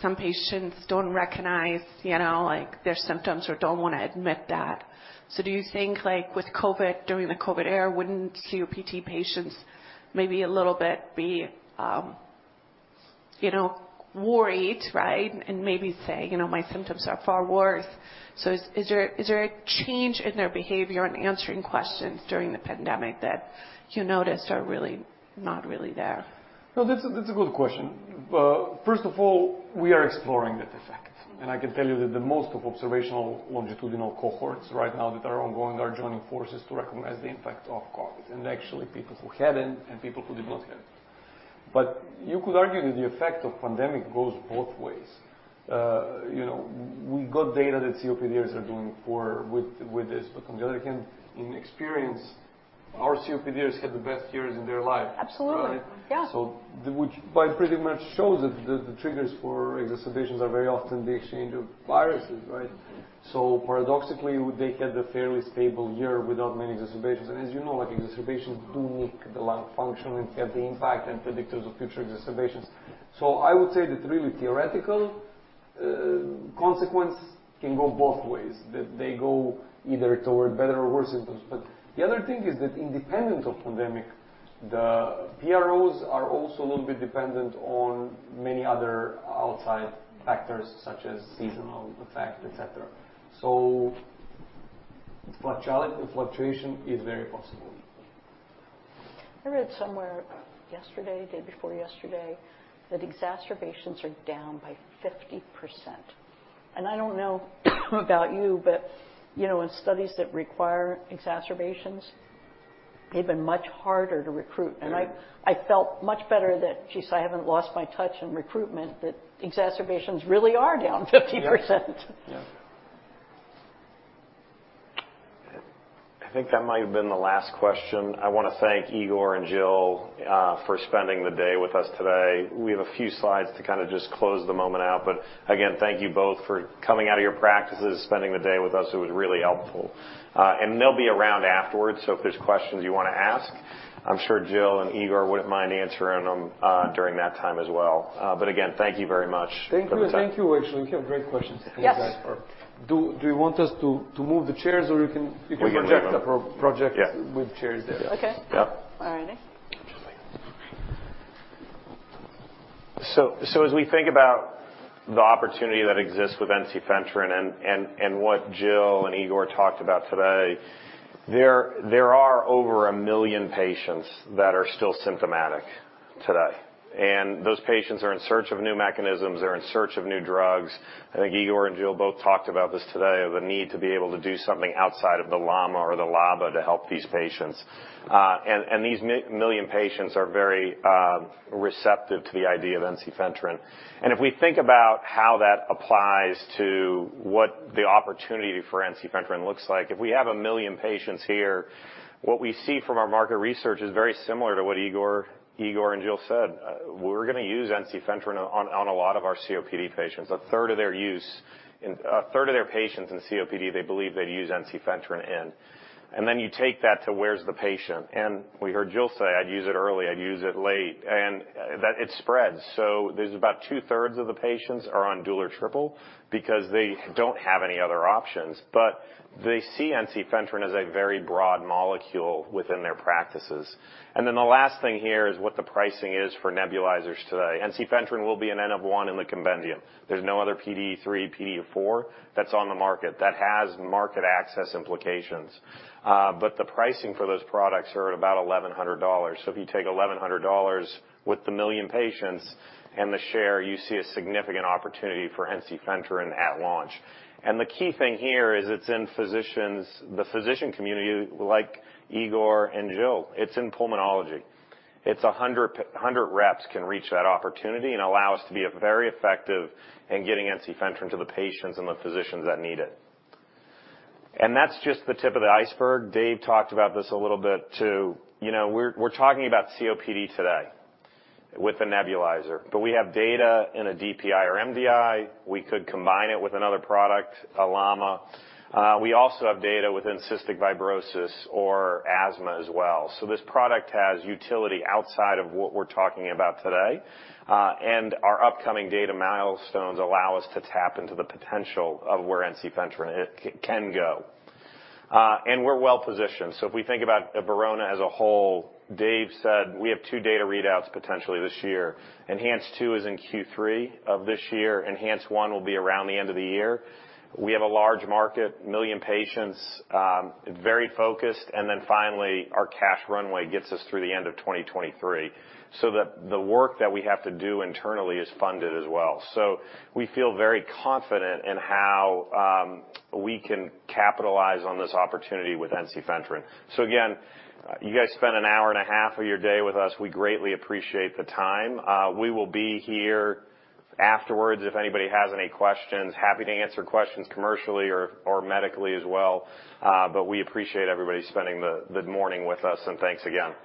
some patients don't recognize, you know, like, their symptoms or don't wanna admit that. Do you think, like, with COVID, during the COVID era, wouldn't COPD patients maybe a little bit be, you know, worried, right, and maybe say, you know, "My symptoms are far worse." Is there a change in their behavior in answering questions during the pandemic that you noticed are really not really there? No, that's a good question. First of all, we are exploring that effect. I can tell you that the most of observational longitudinal cohorts right now that are ongoing are joining forces to recognize the impact of COVID, and actually people who had it and people who did not have it. You could argue that the effect of pandemic goes both ways. You know, we've got data that COPDers are doing poorly with this, but on the other hand, in experience, our COPDers had the best years in their life. Absolutely. Right? Yeah. Which by pretty much shows that the triggers for exacerbations are very often the exchange of viruses, right? Paradoxically, they had a fairly stable year without many exacerbations. As you know, like, exacerbations do make the lung function and have the impact and predictors of future exacerbations. I would say that really theoretical consequence can go both ways, that they go either toward better or worse symptoms. The other thing is that independent of pandemic, the PROs are also a little bit dependent on many other outside factors such as seasonal effect, et cetera. Fluctuation is very possible. I read somewhere yesterday, day before yesterday, that exacerbations are down by 50%. I don't know about you, but, you know, in studies that require exacerbations, they've been much harder to recruit. Yeah. I felt much better that, geez, I haven't lost my touch in recruitment, that exacerbations really are down 50%. Yeah. Yeah. I think that might have been the last question. I wanna thank Igor and Jill for spending the day with us today. We have a few slides to kinda just close the meeting out. Again, thank you both for coming out of your practices, spending the day with us. It was really helpful. They'll be around afterwards, so if there's questions you wanna ask, I'm sure Jill and Igor wouldn't mind answering them during that time as well. Again, thank you very much for the time. Thank you. Thank you, actually. You have great questions from you guys. Yes. Do you want us to move the chairs or you can? We can leave them. You can project the project. Yeah. with chairs there. Okay. Yeah. All righty. As we think about the opportunity that exists with ensifentrine and what Jill and Igor talked about today, there are over 1 million patients that are still symptomatic today, and those patients are in search of new mechanisms. They're in search of new drugs. I think Igor and Jill both talked about this today, of a need to be able to do something outside of the LAMA or the LABA to help these patients. These million patients are very receptive to the idea of ensifentrine. If we think about how that applies to what the opportunity for ensifentrine looks like, if we have a million patients here, what we see from our market research is very similar to what Igor and Jill said. We're gonna use ensifentrine on a lot of our COPD patients. In a third of their patients in COPD, they believe they'd use ensifentrine in. You take that to where's the patient? We heard Jill say, I'd use it early, I'd use it late, and that it spans. There's about two-thirds of the patients are on dual or triple because they don't have any other options. They see ensifentrine as a very broad molecule within their practices. The last thing here is what the pricing is for nebulizers today. Ensifentrine will be an N of one in the compendium. There's no other PDE3, PDE4 that's on the market. That has market access implications. The pricing for those products are at about $1,100. If you take $1,100 with the 1 million patients and the share, you see a significant opportunity for ensifentrine at launch. The key thing here is it's in the physicians, the physician community like Igor and Jill. It's in pulmonology. 100 reps can reach that opportunity and allow us to be very effective in getting ensifentrine to the patients and the physicians that need it. That's just the tip of the iceberg. Dave talked about this a little bit too. You know, we're talking about COPD today with the nebulizer, but we have data in a DPI or MDI. We could combine it with another product, a LAMA. We also have data within cystic fibrosis or asthma as well. This product has utility outside of what we're talking about today. Our upcoming data milestones allow us to tap into the potential of where ensifentrine can go. We're well positioned. If we think about Verona as a whole, Dave said we have 2 data readouts potentially this year. ENHANCE-2 is in Q3 of this year. ENHANCE-1 will be around the end of the year. We have a large market, 1 million patients, very focused. Finally, our cash runway gets us through the end of 2023 so that the work that we have to do internally is funded as well. We feel very confident in how we can capitalize on this opportunity with ensifentrine. Again, you guys spent an hour and a half of your day with us. We greatly appreciate the time. We will be here afterwards if anybody has any questions. Happy to answer questions commercially or medically as well. We appreciate everybody spending the morning with us, and thanks again.